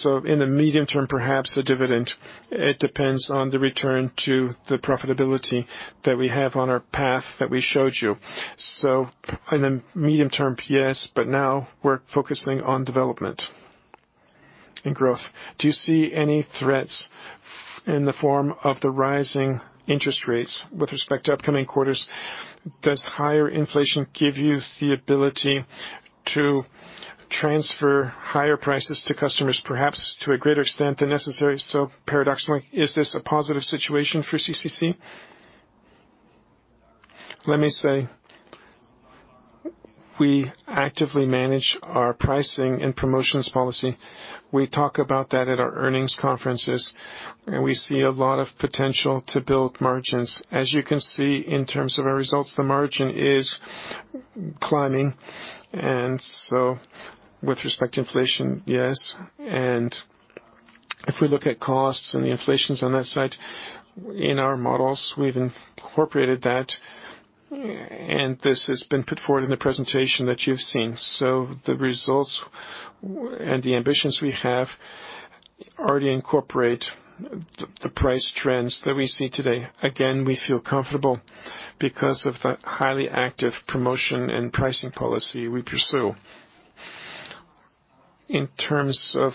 S2: In the medium term, perhaps a dividend. It depends on the return to the profitability that we have on our path that we showed you. In the medium term, yes, but now we're focusing on development and growth. Do you see any threats in the form of the rising interest rates with respect to upcoming quarters? Does higher inflation give you the ability to transfer higher prices to customers, perhaps to a greater extent than necessary? Paradoxically, is this a positive situation for CCC? Let me say, we actively manage our pricing and promotions policy. We talk about that at our earnings conferences, and we see a lot of potential to build margins. As you can see in terms of our results, the margin is climbing. With respect to inflation, yes, and if we look at costs and the inflation on that side, in our models, we've incorporated that, and this has been put forward in the presentation that you've seen. The results and the ambitions we have already incorporate the price trends that we see today. Again, we feel comfortable because of the highly active promotion and pricing policy we pursue. In terms of,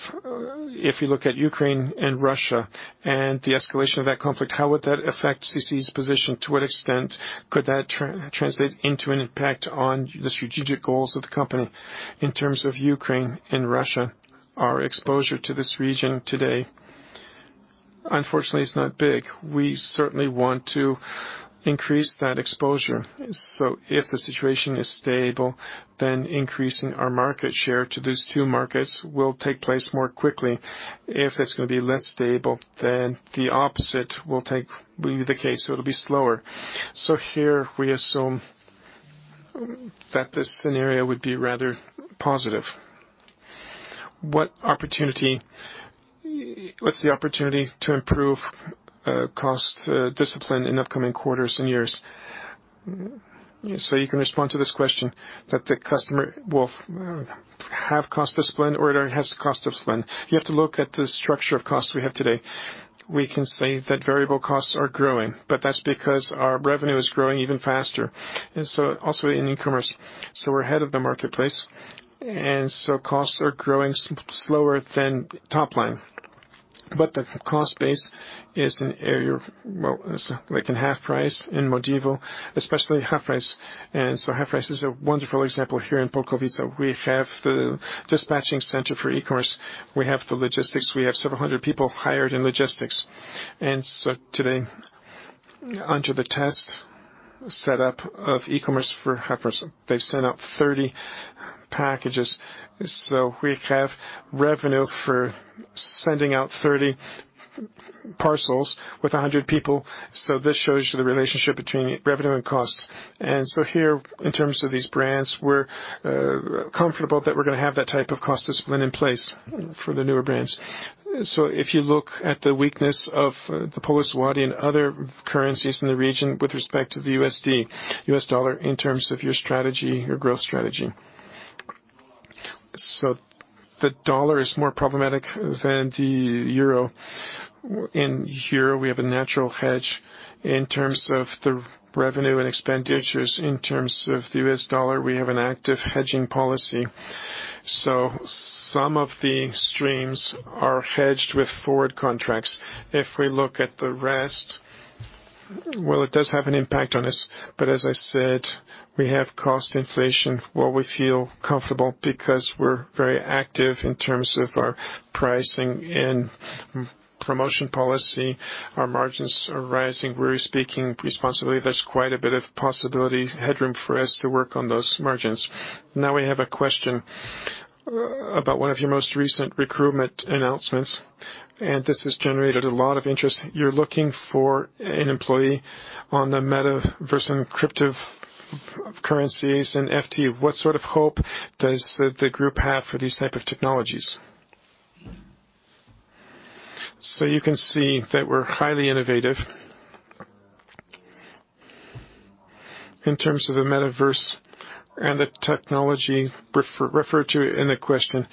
S2: if you look at Ukraine and Russia and the escalation of that conflict, how would that affect CCC's position? To what extent could that translate into an impact on the strategic goals of the company? In terms of Ukraine and Russia, our exposure to this region today, unfortunately, it's not big. We certainly want to increase that exposure. If the situation is stable, increasing our market share to those two markets will take place more quickly. If it's gonna be less stable, the opposite will be the case, it'll be slower. Here we assume that this scenario would be rather positive. What's the opportunity to improve cost discipline in upcoming quarters and years? You can respond to this question that the customer will have cost discipline or it has cost discipline. You have to look at the structure of costs we have today. We can say that variable costs are growing, but that's because our revenue is growing even faster. Also in e-commerce. We're ahead of the marketplace, and costs are growing slower than top line. The cost base is an area, well, like in HalfPrice, in MODIVO, especially HalfPrice. HalfPrice is a wonderful example here in Bukowica. We have the dispatching center for e-commerce. We have the logistics. We have several hundred people hired in logistics. Today, under the test setup of e-commerce for HalfPrice, they've sent out 30 packages. We have revenue for sending out 30 parcels with 100 people. This shows you the relationship between revenue and costs. Here, in terms of these brands, we're comfortable that we're gonna have that type of cost discipline in place for the newer brands. If you look at the weakness of the Polish zloty and other currencies in the region with respect to the USD, US dollar, in terms of your strategy, your growth strategy. The dollar is more problematic than the euro. In here, we have a natural hedge in terms of the revenue and expenditures. In terms of the US dollar, we have an active hedging policy. Some of the streams are hedged with forward contracts. If we look at the rest, well, it does have an impact on us. as I said, we have cost inflation, where we feel comfortable because we're very active in terms of our pricing and promotion policy. Our margins are rising. We're speaking responsibly. There's quite a bit of possibility, headroom for us to work on those margins. Now we have a question about one of your most recent recruitment announcements, and this has generated a lot of interest. You're looking for an employee on the metaverse and crypto currencies and NFT. What sort of hope does the group have for these type of technologies? You can see that we're highly innovative. In terms of the metaverse and the technology referred to in the question,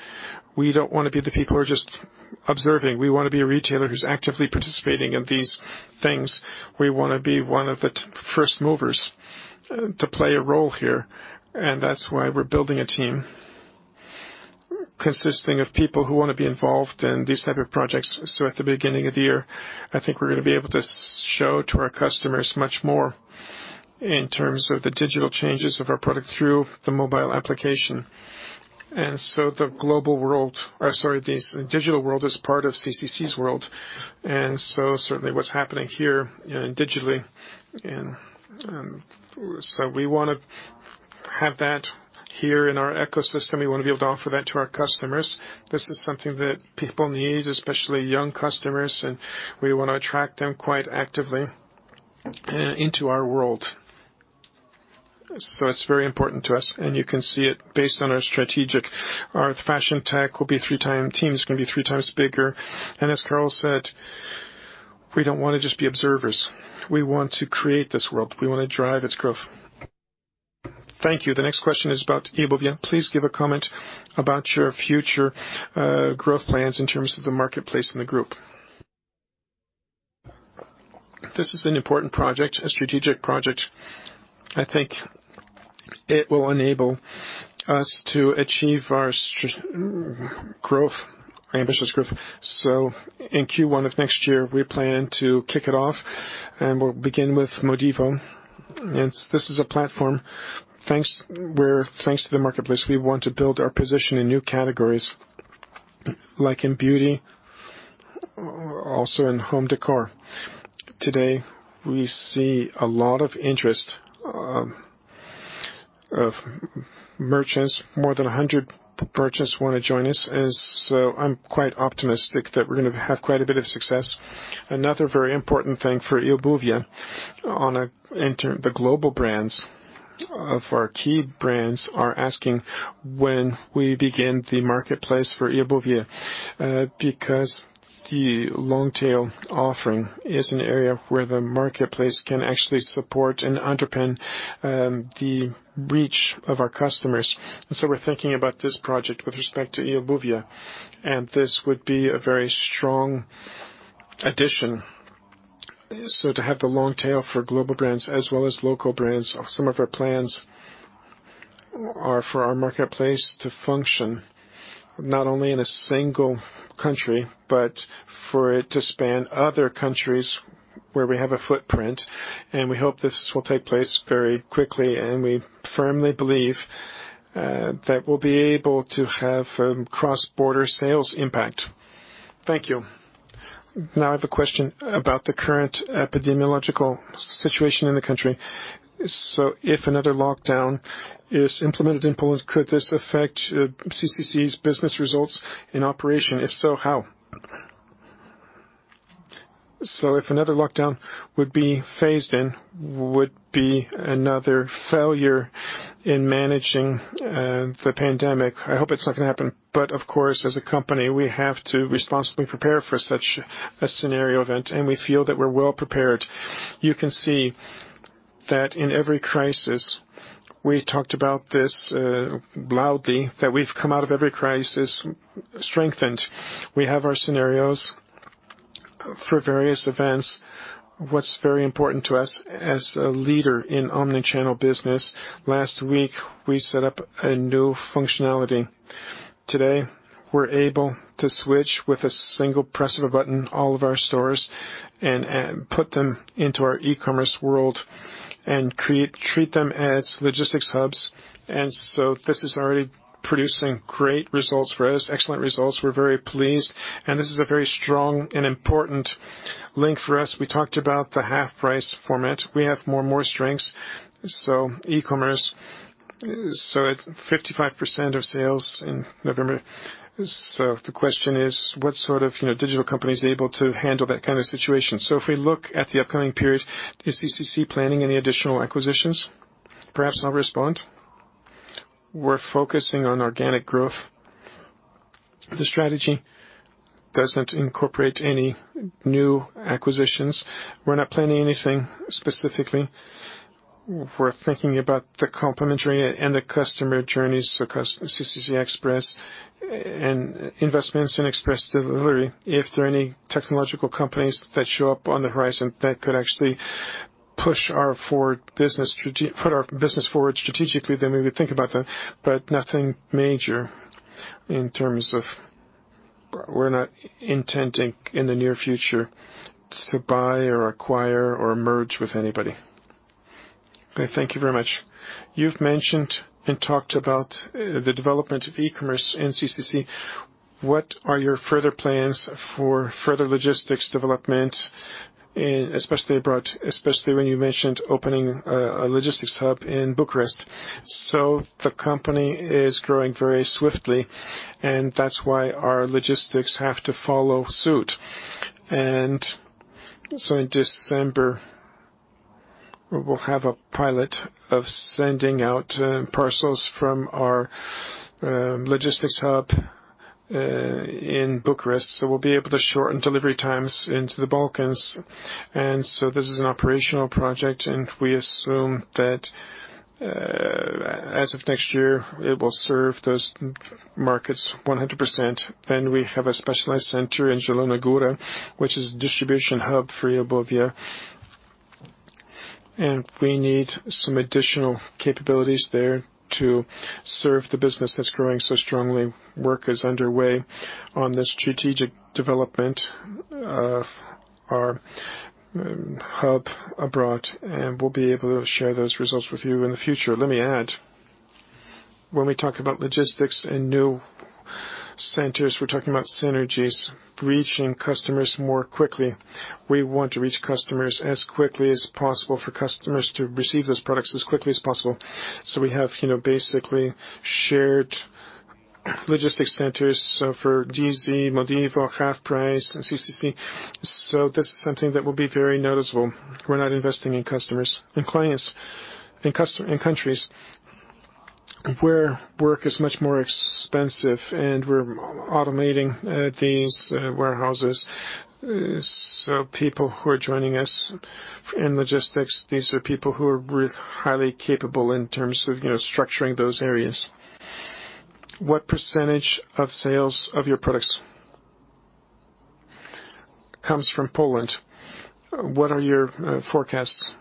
S2: we don't wanna be the people who are just observing. We wanna be a retailer who's actively participating in these things. We wanna be one of the first movers to play a role here, and that's why we're building a team consisting of people who wanna be involved in these type of projects. At the beginning of the year, I think we're gonna be able to show to our customers much more in terms of the digital changes of our product through the mobile application. The digital world is part of CCC's world. Certainly what's happening here, you know, digitally and, so we wanna have that here in our ecosystem. We wanna be able to offer that to our customers. This is something that people need, especially young customers, and we wanna attract them quite actively into our world. It's very important to us, and you can see it based on our strategic. Our fashion tech will be three times bigger. The team is gonna be three times bigger. As Karol said, we don't wanna just be observers. We want to create this world. We wanna drive its growth. Thank you. The next question is about eobuwie. Please give a comment about your future growth plans in terms of the marketplace in the group. This is an important project, a strategic project. I think it will enable us to achieve our growth, ambitious growth. In Q1 of next year, we plan to kick it off, and we'll begin with MODIVO. This is a platform, thanks, where, thanks to the marketplace, we want to build our position in new categories, like in beauty, also in home decor. Today, we see a lot of interest of merchants. More than 100 merchants wanna join us. I'm quite optimistic that we're gonna have quite a bit of success. Another very important thing for eobuwie. In turn, the global brands of our key brands are asking when we begin the marketplace for eobuwie because the long tail offering is an area where the marketplace can actually support and underpin the reach of our customers. We're thinking about this project with respect to eobuwie, and this would be a very strong addition. To have the long tail for global brands as well as local brands, some of our plans are for our marketplace to function not only in a single country, but for it to span other countries where we have a footprint, and we hope this will take place very quickly. We firmly believe that we'll be able to have cross-border sales impact. Thank you. Now I have a question about the current epidemiological situation in the country. If another lockdown is implemented in Poland, could this affect CCC's business results in operation? If so, how? If another lockdown would be phased in, would be another failure in managing the pandemic. I hope it's not gonna happen. Of course, as a company, we have to responsibly prepare for such a scenario event, and we feel that we're well prepared. You can see that in every crisis, we talked about this loudly, that we've come out of every crisis strengthened. We have our scenarios for various events. What's very important to us as a leader in omnichannel business, last week, we set up a new functionality. Today, we're able to switch with a single press of a button all of our stores and put them into our e-commerce world and create, treat them as logistics hubs. This is already producing great results for us, excellent results. We're very pleased. This is a very strong and important link for us. We talked about the HalfPrice format. We have more strengths. E-commerce, so it's 55% of sales in November. The question is, what sort of, you know, digital company is able to handle that kind of situation? If we look at the upcoming period, is CCC planning any additional acquisitions? Perhaps I'll respond. We're focusing on organic growth. The strategy doesn't incorporate any new acquisitions. We're not planning anything specifically. We're thinking about the complementary and the customer journeys, CCC Express and investments in express delivery. If there are any technological companies that show up on the horizon that could actually put our business forward strategically, then maybe think about that. But nothing major in terms of. We're not intending in the near future to buy or acquire or merge with anybody. Okay, thank you very much. You've mentioned and talked about the development of e-commerce in CCC. What are your further plans for further logistics development, especially abroad, especially when you mentioned opening a logistics hub in Bucharest? The company is growing very swiftly, and that's why our logistics have to follow suit. In December, we will have a pilot of sending out parcels from our logistics hub in Bucharest. So we'll be able to shorten delivery times into the Balkans. This is an operational project, and we assume that as of next year, it will serve those markets 100%. We have a specialized center in Zielona Góra, which is a distribution hub for eobuwie. We need some additional capabilities there to serve the business that's growing so strongly. Work is underway on the strategic development of our hub abroad, and we'll be able to share those results with you in the future.
S8: Let me add, when we talk about logistics and new centers, we're talking about synergies, reaching customers more quickly. We want to reach customers as quickly as possible for customers to receive those products as quickly as possible. We have, you know, basically shared logistics centers, so for DeeZee, MODIVO, HalfPrice, and CCC. This is something that will be very noticeable. We're not investing in customers and clients in countries where work is much more expensive, and we're automating these warehouses. People who are joining us in logistics, these are people who are highly capable in terms of, you know, structuring those areas.
S2: What percentage of sales of your products comes from Poland? What are your forecasts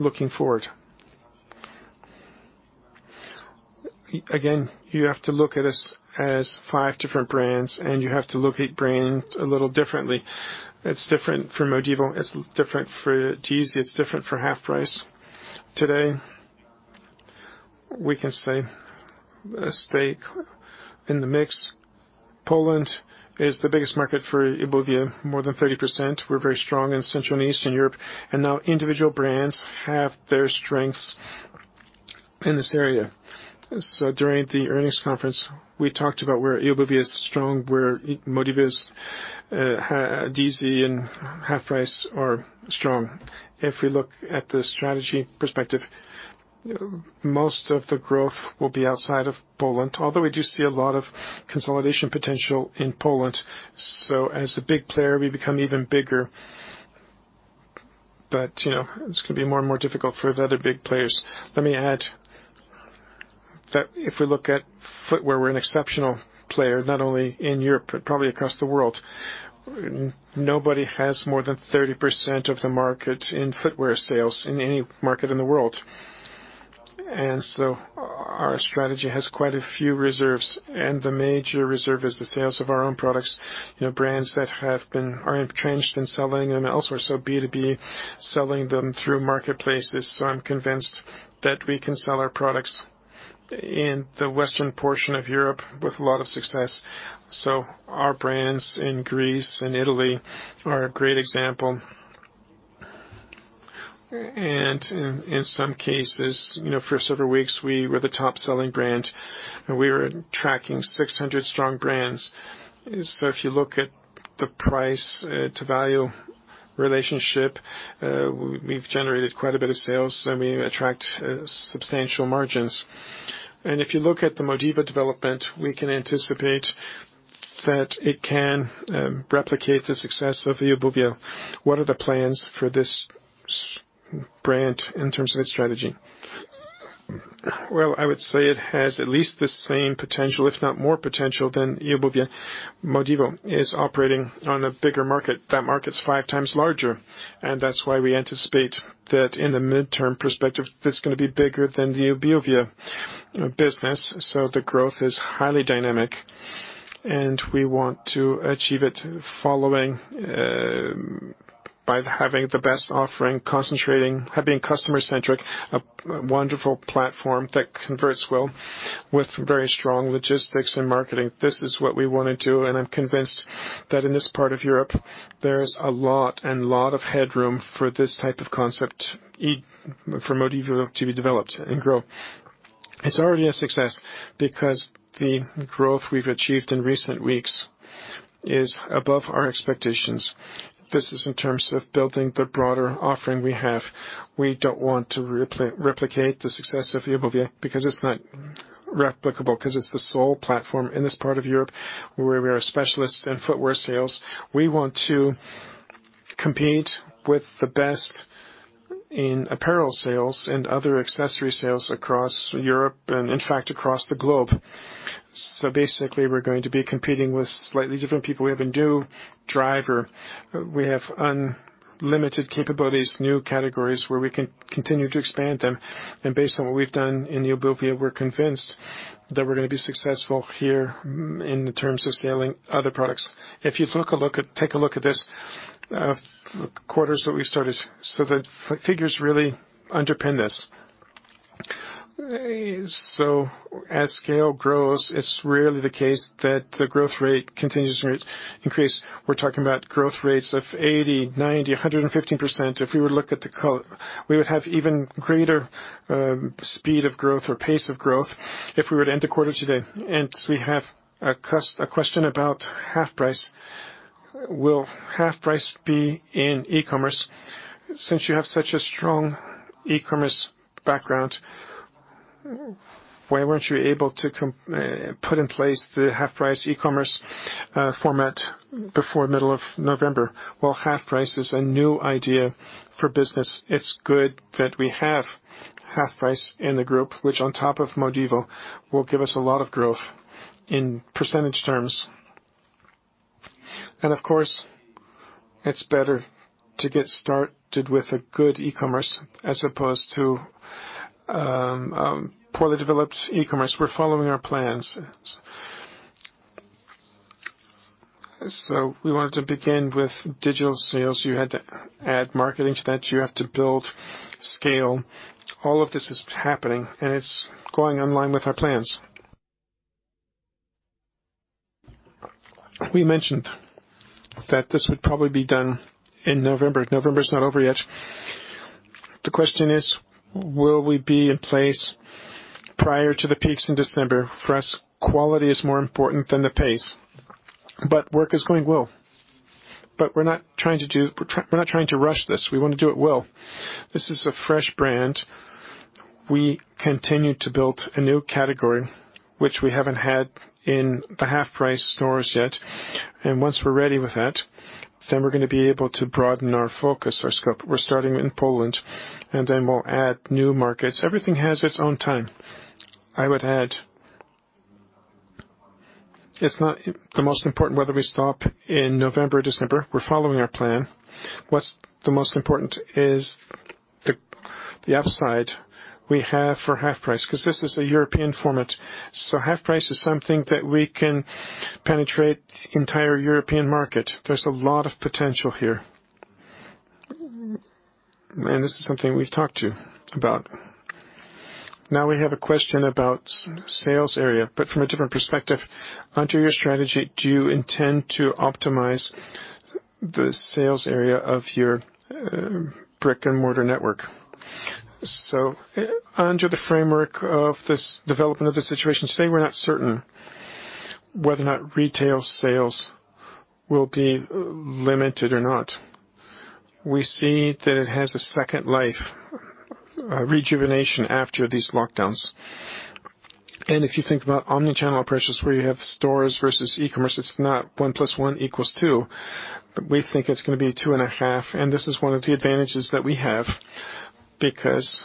S2: looking forward? Again, you have to look at us as five different brands, and you have to look at brands a little differently. It's different for MODIVO, it's different for DeeZee, it's different for HalfPrice. Today, we can say at this stage in the mix, Poland is the biggest market for eobuwie, more than 30%. We're very strong in Central and Eastern Europe, and now individual brands have their strengths in this area. During the earnings conference, we talked about where eobuwie is strong, where MODIVO is, DeeZee and HalfPrice are strong. If we look at the strategy perspective, most of the growth will be outside of Poland, although we do see a lot of consolidation potential in Poland. As a big player, we become even bigger. You know, it's gonna be more and more difficult for the other big players.
S8: Let me add that if we look at footwear, we're an exceptional player, not only in Europe, but probably across the world. Nobody has more than 30% of the market in footwear sales in any market in the world. Our strategy has quite a few reserves, and the major reserve is the sales of our own products. You know, brands that have been... are entrenched in selling and also B2B, selling them through marketplaces. I'm convinced that we can sell our products in the western portion of Europe with a lot of success. Our brands in Greece and Italy are a great example. In some cases, you know, for several weeks, we were the top-selling brand, and we were tracking 600 strong brands. If you look at the price to value relationship, we've generated quite a bit of sales and we attract substantial margins. If you look at the MODIVO development, we can anticipate that it can replicate the success of eobuwie.
S2: What are the plans for this brand in terms of its strategy? Well, I would say it has at least the same potential, if not more potential than eobuwie. MODIVO is operating on a bigger market. That market is five times larger. That's why we anticipate that in the midterm perspective, that's gonna be bigger than the eobuwie business. The growth is highly dynamic, and we want to achieve it following by having the best offering, concentrating, having customer-centric, a wonderful platform that converts well with very strong logistics and marketing. This is what we wanna do, and I'm convinced that in this part of Europe, there is a lot of headroom for this type of concept for MODIVO to be developed and grow. It's already a success because the growth we've achieved in recent weeks is above our expectations. This is in terms of building the broader offering we have. We don't want to replicate the success of eobuwie because it's not replicable, 'cause it's the sole platform in this part of Europe where we are a specialist in footwear sales. We want to compete with the best in apparel sales and other accessory sales across Europe and in fact, across the globe. Basically, we're going to be competing with slightly different people. We have a new driver. We have unlimited capabilities, new categories where we can continue to expand them. Based on what we've done in eobuwie, we're convinced that we're gonna be successful here in terms of selling other products. If you'd take a look at these quarters that we started, the figures really underpin this. As scale grows, it's rarely the case that the growth rate continues to increase. We're talking about growth rates of 80%, 90%, 115%. We would have even greater speed of growth or pace of growth if we were to end the quarter today. We have a question about HalfPrice. Will HalfPrice be in e-commerce? Since you have such a strong e-commerce background, why weren't you able to put in place the HalfPrice e-commerce format before middle of November? Well, HalfPrice is a new idea for business. It's good that we have HalfPrice in the group, which on top of MODIVO, will give us a lot of growth in percentage terms. Of course, it's better to get started with a good e-commerce as opposed to poorly developed e-commerce. We're following our plans. We wanted to begin with digital sales. You had to add marketing to that. You have to build scale. All of this is happening, and it's going online with our plans. We mentioned that this would probably be done in November. November is not over yet. The question is, will we be in place prior to the peaks in December? For us, quality is more important than the pace, but work is going well. We're not trying to rush this. We wanna do it well. This is a fresh brand. We continue to build a new category, which we haven't had in the HalfPrice stores yet. Once we're ready with that, then we're gonna be able to broaden our focus, our scope. We're starting in Poland, and then we'll add new markets. Everything has its own time. I would add, it's not the most important whether we stop in November or December. We're following our plan. What's the most important is the upside we have for HalfPrice, 'cause this is a European format. HalfPrice is something that we can penetrate the entire European market. There's a lot of potential here. This is something we've talked about. Now we have a question about sales area, but from a different perspective. Under your strategy, do you intend to optimize the sales area of your brick-and-mortar network? Under the framework of this development of the situation, today we're not certain whether or not retail sales will be limited or not. We see that it has a second life, rejuvenation after these lockdowns. If you think about omni-channel approaches, where you have stores versus e-commerce, it's not 1 + 1 = 2, but we think it's gonna be 2.5, and this is one of the advantages that we have, because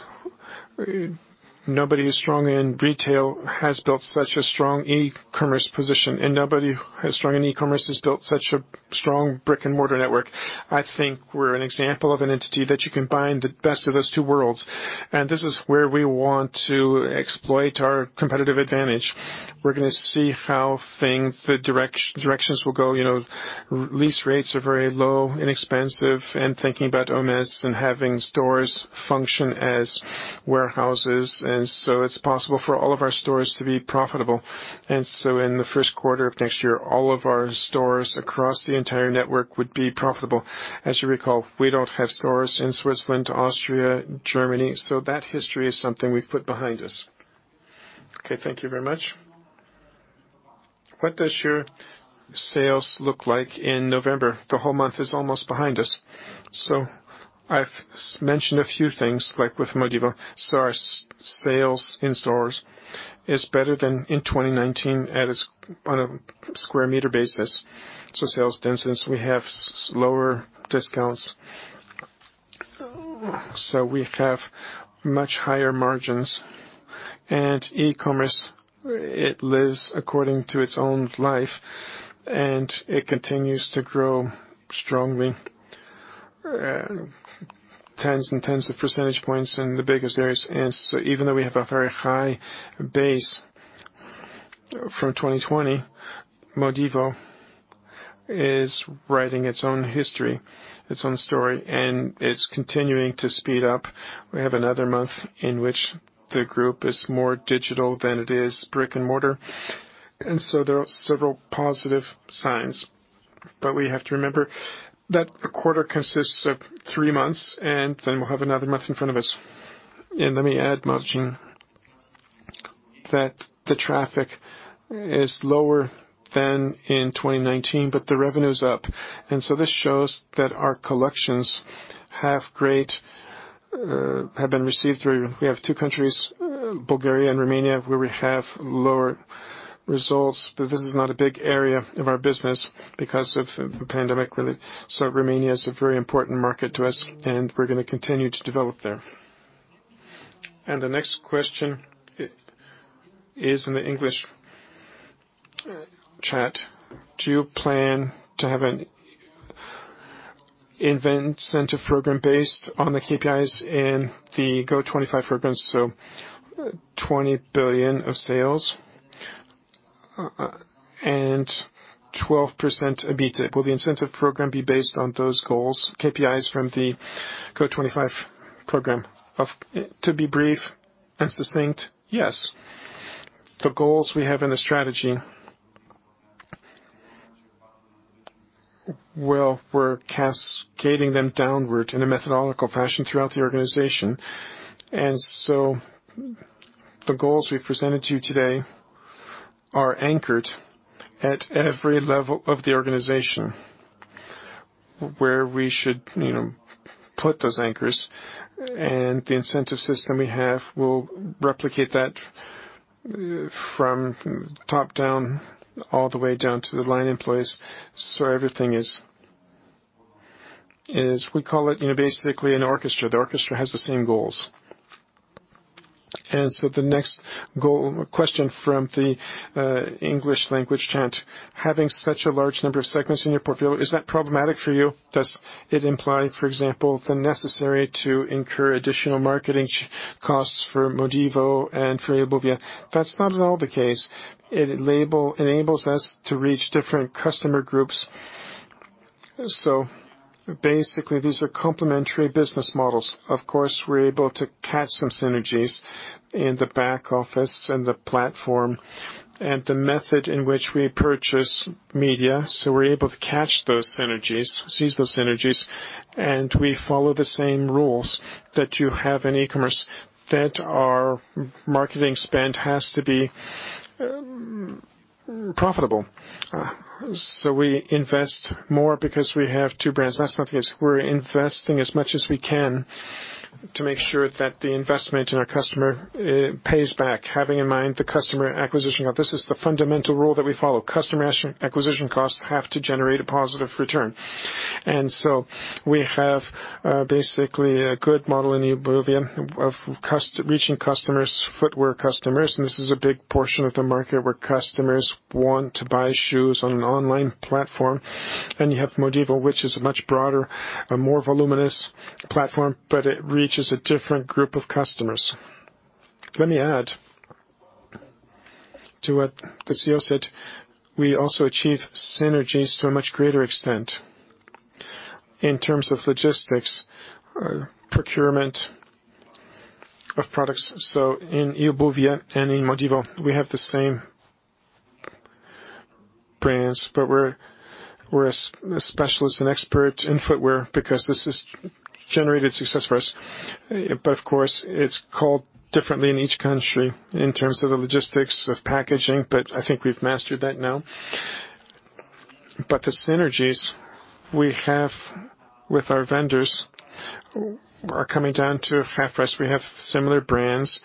S2: nobody who's strong in retail has built such a strong e-commerce position, and nobody as strong in e-commerce has built such a strong brick-and-mortar network. I think we're an example of an entity that you can blend the best of those two worlds. This is where we want to exploit our competitive advantage. We're gonna see how things, the directions will go. You know, lease rates are very low, inexpensive, and thinking about OMS and having stores function as warehouses. It's possible for all of our stores to be profitable. In the first quarter of next year, all of our stores across the entire network would be profitable. As you recall, we don't have stores in Switzerland, Austria, Germany, so that history is something we've put behind us. Okay, thank you very much. What does your sales look like in November? The whole month is almost behind us. I've mentioned a few things, like with MODIVO. Our sales in stores is better than in 2019 on a sq m basis. Sales density, we have slower discounts. We have much higher margins. E-commerce, it lives according to its own life, and it continues to grow strongly, tens and tens of percentage points in the biggest areas. Even though we have a very high base for 2020, MODIVO is writing its own history, its own story, and it's continuing to speed up. We have another month in which the group is more digital than it is brick and mortar. There are several positive signs. We have to remember that a quarter consists of three months, and then we'll have another month in front of us.
S8: Let me add, Marcin, that the traffic is lower than in 2019, but the revenue's up. This shows that our collections have been received very. We have two countries, Bulgaria and Romania, where we have lower results, but this is not a big area of our business because of the pandemic really. Romania is a very important market to us and we're gonna continue to develop there.
S2: The next question is in the English chat. Do you plan to have an incentive program based on the KPIs in the GO25 programs, so 20 billion of sales and 12% EBITDA? Will the incentive program be based on those goals, KPIs from the GO25 program? To be brief and succinct, yes. The goals we have in the strategy, well, we're cascading them downward in a methodological fashion throughout the organization. The goals we've presented to you today are anchored at every level of the organization, where we should, you know, put those anchors. The incentive system we have will replicate that from top down all the way down to the line employees. So everything is we call it, you know, basically an orchestra. The orchestra has the same goals. The next question from the English language chat. Having such a large number of segments in your portfolio, is that problematic for you? Does it imply, for example, the necessity to incur additional marketing costs for MODIVO and for eobuwie? That's not at all the case. It enables us to reach different customer groups. Basically, these are complementary business models. Of course, we're able to catch some synergies in the back office and the platform and the method in which we purchase media. We're able to catch those synergies, seize those synergies, and we follow the same rules that you have in e-commerce, that our marketing spend has to be profitable. We invest more because we have two brands. That's not the case. We're investing as much as we can to make sure that the investment in our customer pays back, having in mind the customer acquisition. Now, this is the fundamental rule that we follow. Customer acquisition costs have to generate a positive return. We have basically a good model in eobuwie of reaching customers, footwear customers. This is a big portion of the market where customers want to buy shoes on an online platform. You have MODIVO, which is a much broader, a more voluminous platform, but it reaches a different group of customers.
S9: Let me add to what the CEO said. We also achieve synergies to a much greater extent in terms of logistics, procurement of products. In eobuwie and in MODIVO, we have the same brands, but we're a specialist and expert in footwear because this has generated success for us. Of course, it's called differently in each country in terms of the logistics of packaging, but I think we've mastered that now. The synergies we have with our vendors are coming down to HalfPrice. We have similar brands,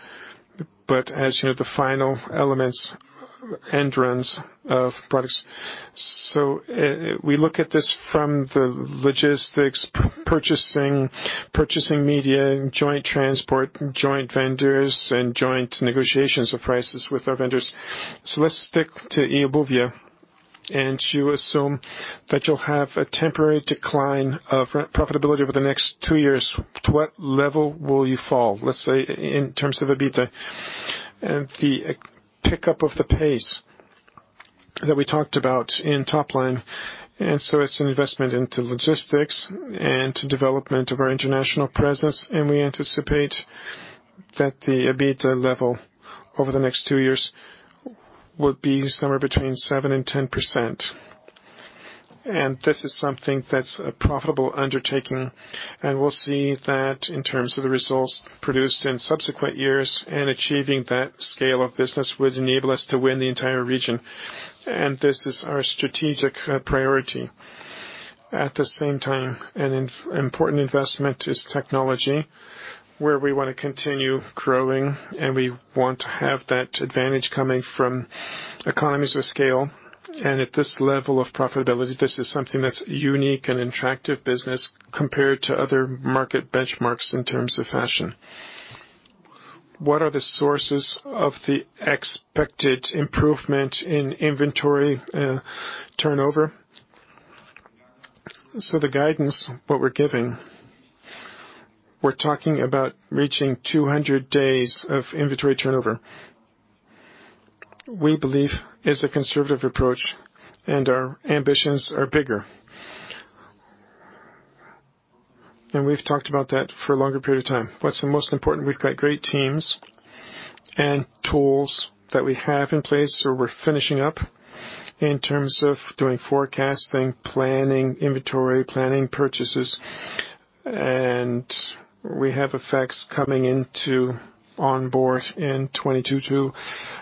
S9: but as you know, the final elements, end runs of products. We look at this from the logistics, purchasing media and joint transport, joint vendors and joint negotiations of prices with our vendors. Let's stick to eobuwie, and you assume that you'll have a temporary decline of profitability over the next two years. To what level will you fall, let's say, in terms of EBITDA? The pickup of the pace that we talked about in top line, it's an investment into logistics and to development of our international presence. We anticipate that the EBITDA level over the next two years would be somewhere between 7%-10%. This is something that's a profitable undertaking, and we'll see that in terms of the results produced in subsequent years, and achieving that scale of business would enable us to win the entire region. This is our strategic priority. At the same time, an important investment is technology, where we wanna continue growing, and we want to have that advantage coming from economies of scale. At this level of profitability, this is something that's unique and attractive business compared to other market benchmarks in terms of fashion.
S2: What are the sources of the expected improvement in inventory turnover? The guidance, what we're giving, we're talking about reaching 200 days of inventory turnover. We believe this is a conservative approach, and our ambitions are bigger. We've talked about that for a longer period of time. What's the most important? We've got great teams and tools that we have in place, or we're finishing up in terms of doing forecasting, planning, inventory, planning purchases. We have effects coming on board in 2022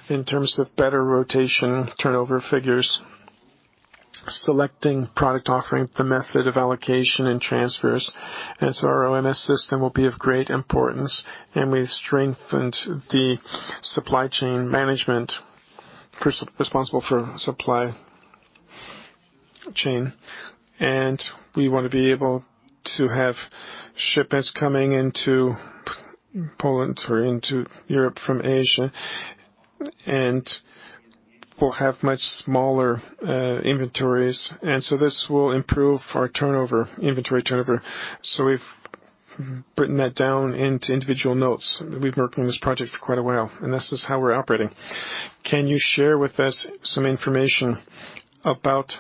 S2: in terms of better rotation turnover figures, selecting product offering, the method of allocation and transfers. Our OMS system will be of great importance, and we've strengthened the supply chain management responsible for supply chain. We wanna be able to have shipments coming into Poland or into Europe from Asia, and we'll have much smaller inventories. This will improve our turnover, inventory turnover. We've written that down into individual notes. We've been working on this project for quite a while, and this is how we're operating. Can you share with us some information about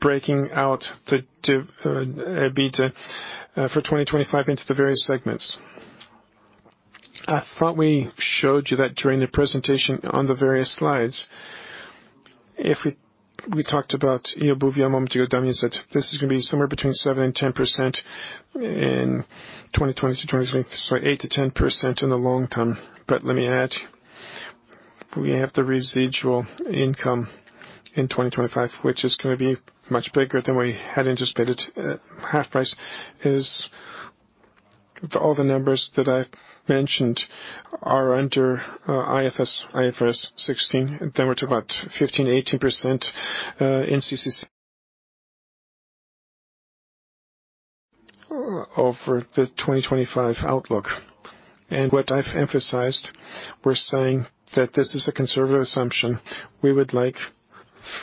S2: breaking out the EBITDA for 2025 into the various segments? I thought we showed you that during the presentation on the various slides. If we talked about this is gonna be somewhere between 7%-10% in 2020-2022, so 8%-10% in the long term. Let me add, we have the residual income in 2025, which is gonna be much bigger than we had anticipated. At HalfPrice all the numbers that I've mentioned are under IFRS 16, then we're at about 15%-18% in CCC over the 2025 outlook. What I've emphasized, we're saying that this is a conservative assumption. We would like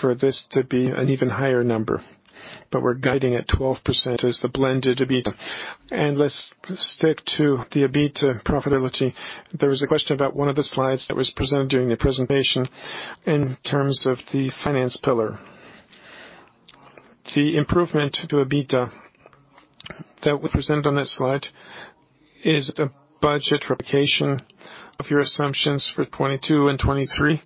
S2: for this to be an even higher number, but we're guiding at 12% as the blended EBITDA. Let's stick to the EBITDA profitability. There was a question about one of the slides that was presented during the presentation in terms of the finance pillar. The improvement to EBITDA that we presented on that slide is the budget replication of your assumptions for 2022 and 2023.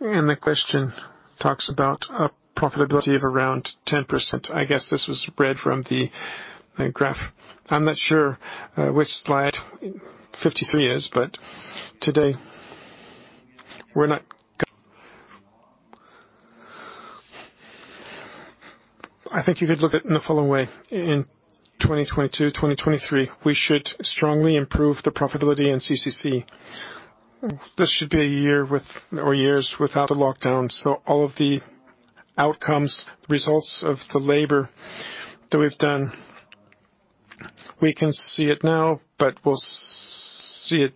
S2: The question talks about a profitability of around 10%. I guess this was read from the graph. I'm not sure which slide 53 is, but today we're not. I think you could look at it in the following way. In 2022, 2023, we should strongly improve the profitability in CCC. This should be a year with, or years without a lockdown. All of the outcomes, results of the labor that we've done, we can see it now, but we'll see it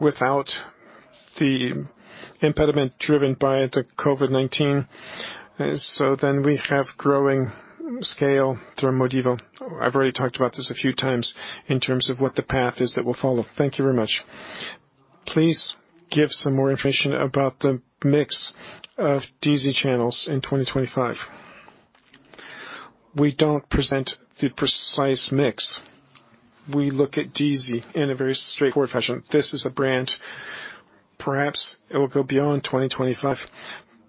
S2: without the impediment driven by the COVID-19. We have growing scale through MODIVO. I've already talked about this a few times in terms of what the path is that we'll follow. Thank you very much. Please give some more information about the mix of DeeZee channels in 2025. We don't present the precise mix. We look at DeeZee in a very straightforward fashion. This is a brand. Perhaps it will go beyond 2025,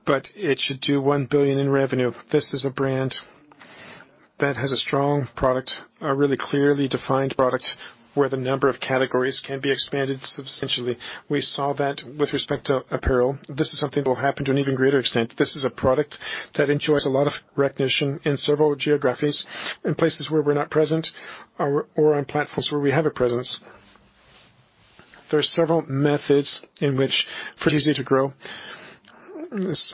S2: but it should do 1 billion in revenue. This is a brand that has a strong product, a really clearly defined product, where the number of categories can be expanded substantially. We saw that with respect to apparel. This is something that will happen to an even greater extent. This is a product that enjoys a lot of recognition in several geographies, in places where we're not present or on platforms where we have a presence. There are several methods in which for DeeZee to grow.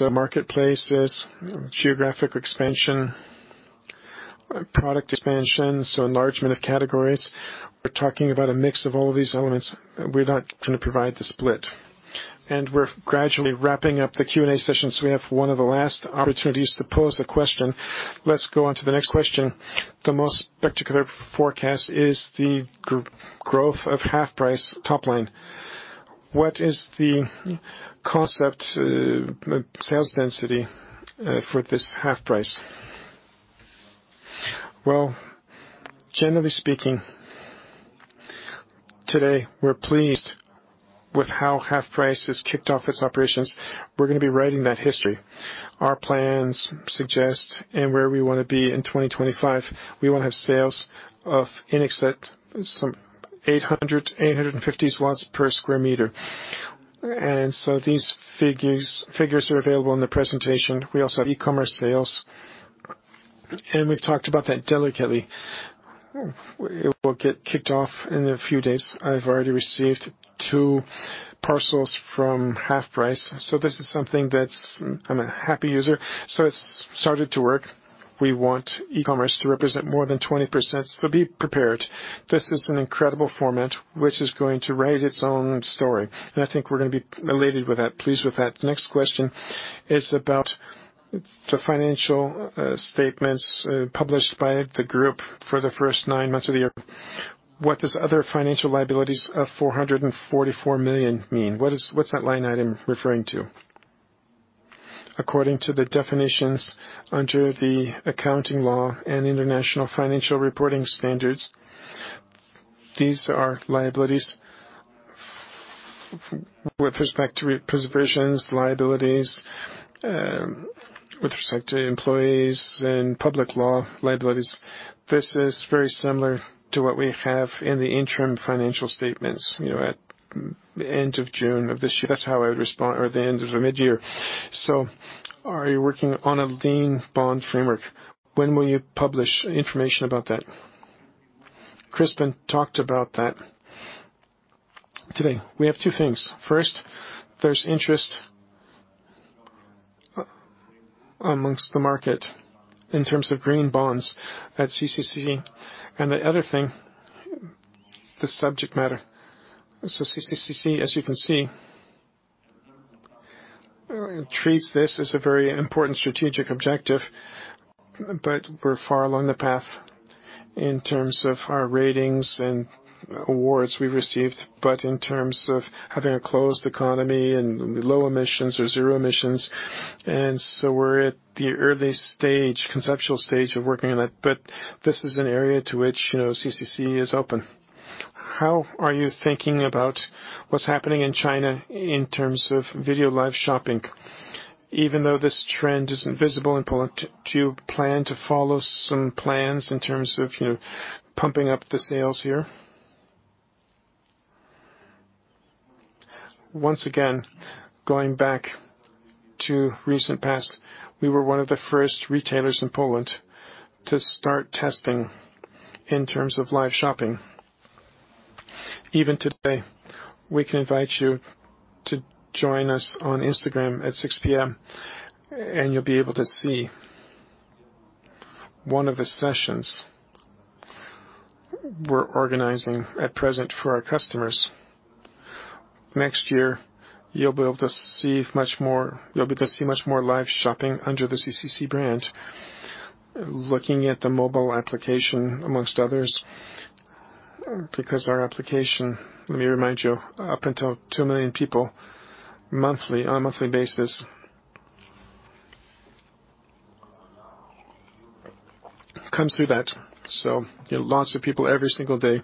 S2: Marketplaces, geographic expansion, product expansion, so enlargement of categories. We're talking about a mix of all these elements. We're not gonna provide the split. We're gradually wrapping up the Q&A session, so we have one of the last opportunities to pose a question. Let's go on to the next question. The most spectacular forecast is the growth of HalfPrice top line. What is the concept, sales density, for this HalfPrice? Well, generally speaking, today we're pleased with how HalfPrice has kicked off its operations. We're gonna be writing that history. Our plans suggest and where we wanna be in 2025, we wanna have sales of in excess of some 850 per sq m. These figures are available in the presentation. We also have e-commerce sales, and we've talked about that delicately. It will get kicked off in a few days. I've already received two parcels from HalfPrice, so this is something that's. I'm a happy user, so it's started to work. We want e-commerce to represent more than 20%, so be prepared. This is an incredible format which is going to write its own story. I think we're gonna be elated with that, pleased with that. The next question is about the financial statements published by the group for the first nine months of the year. What does other financial liabilities of 444 million mean? What's that line item referring to? According to the definitions under the accounting law and international financial reporting standards, these are liabilities with respect to provisions, liabilities with respect to employees and public law liabilities. This is very similar to what we have in the interim financial statements, you know, at the end of June of this year. That's how I would respond or the end of the midyear. Are you working on a green bond framework? When will you publish information about that? Kryspin talked about that today.
S8: We have two things. First, there's interest among the market in terms of green bonds at CCC, and the other thing, the subject matter. CCC, as you can see, treats this as a very important strategic objective, but we're far along the path in terms of our ratings and awards we've received, but in terms of having a closed economy and low emissions or zero emissions. We're at the early stage, conceptual stage of working on that. This is an area to which, you know, CCC is open.
S2: How are you thinking about what's happening in China in terms of video live shopping? Even though this trend isn't visible in Poland, do you plan to follow some plans in terms of, you know, pumping up the sales here? Once again, going back to recent past, we were one of the first retailers in Poland to start testing in terms of live shopping. Even today, we can invite you to join us on Instagram at 6:00 P.M., and you'll be able to see one of the sessions we're organizing at present for our customers. Next year, you'll be able to see much more, you'll be able to see much more live shopping under the CCC brand. Looking at the mobile application, among others, because our application, let me remind you, up until 2 million people monthly, on a monthly basis, comes through that. So, you know, lots of people every single day.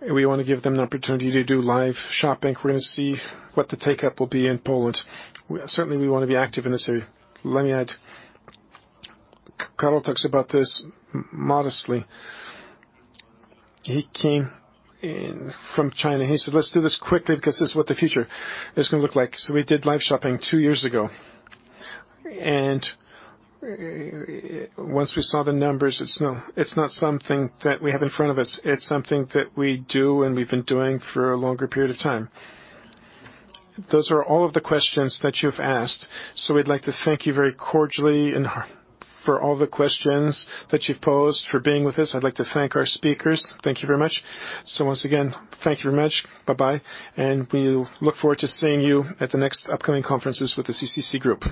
S2: We wanna give them the opportunity to do live shopping. We're gonna see what the take-up will be in Poland. Certainly we wanna be active in this area. Let me add, Karol talks about this modestly.
S3: He came in from China. He said, "Let's do this quickly because this is what the future is gonna look like." We did live shopping two years ago. Once we saw the numbers, it's not something that we have in front of us. It's something that we do, and we've been doing for a longer period of time.
S2: Those are all of the questions that you've asked. We'd like to thank you very cordially and for all the questions that you've posed, for being with us. I'd like to thank our speakers. Thank you very much. Once again, thank you very much. Bye-bye, and we look forward to seeing you at the next upcoming conferences with the CCC Group.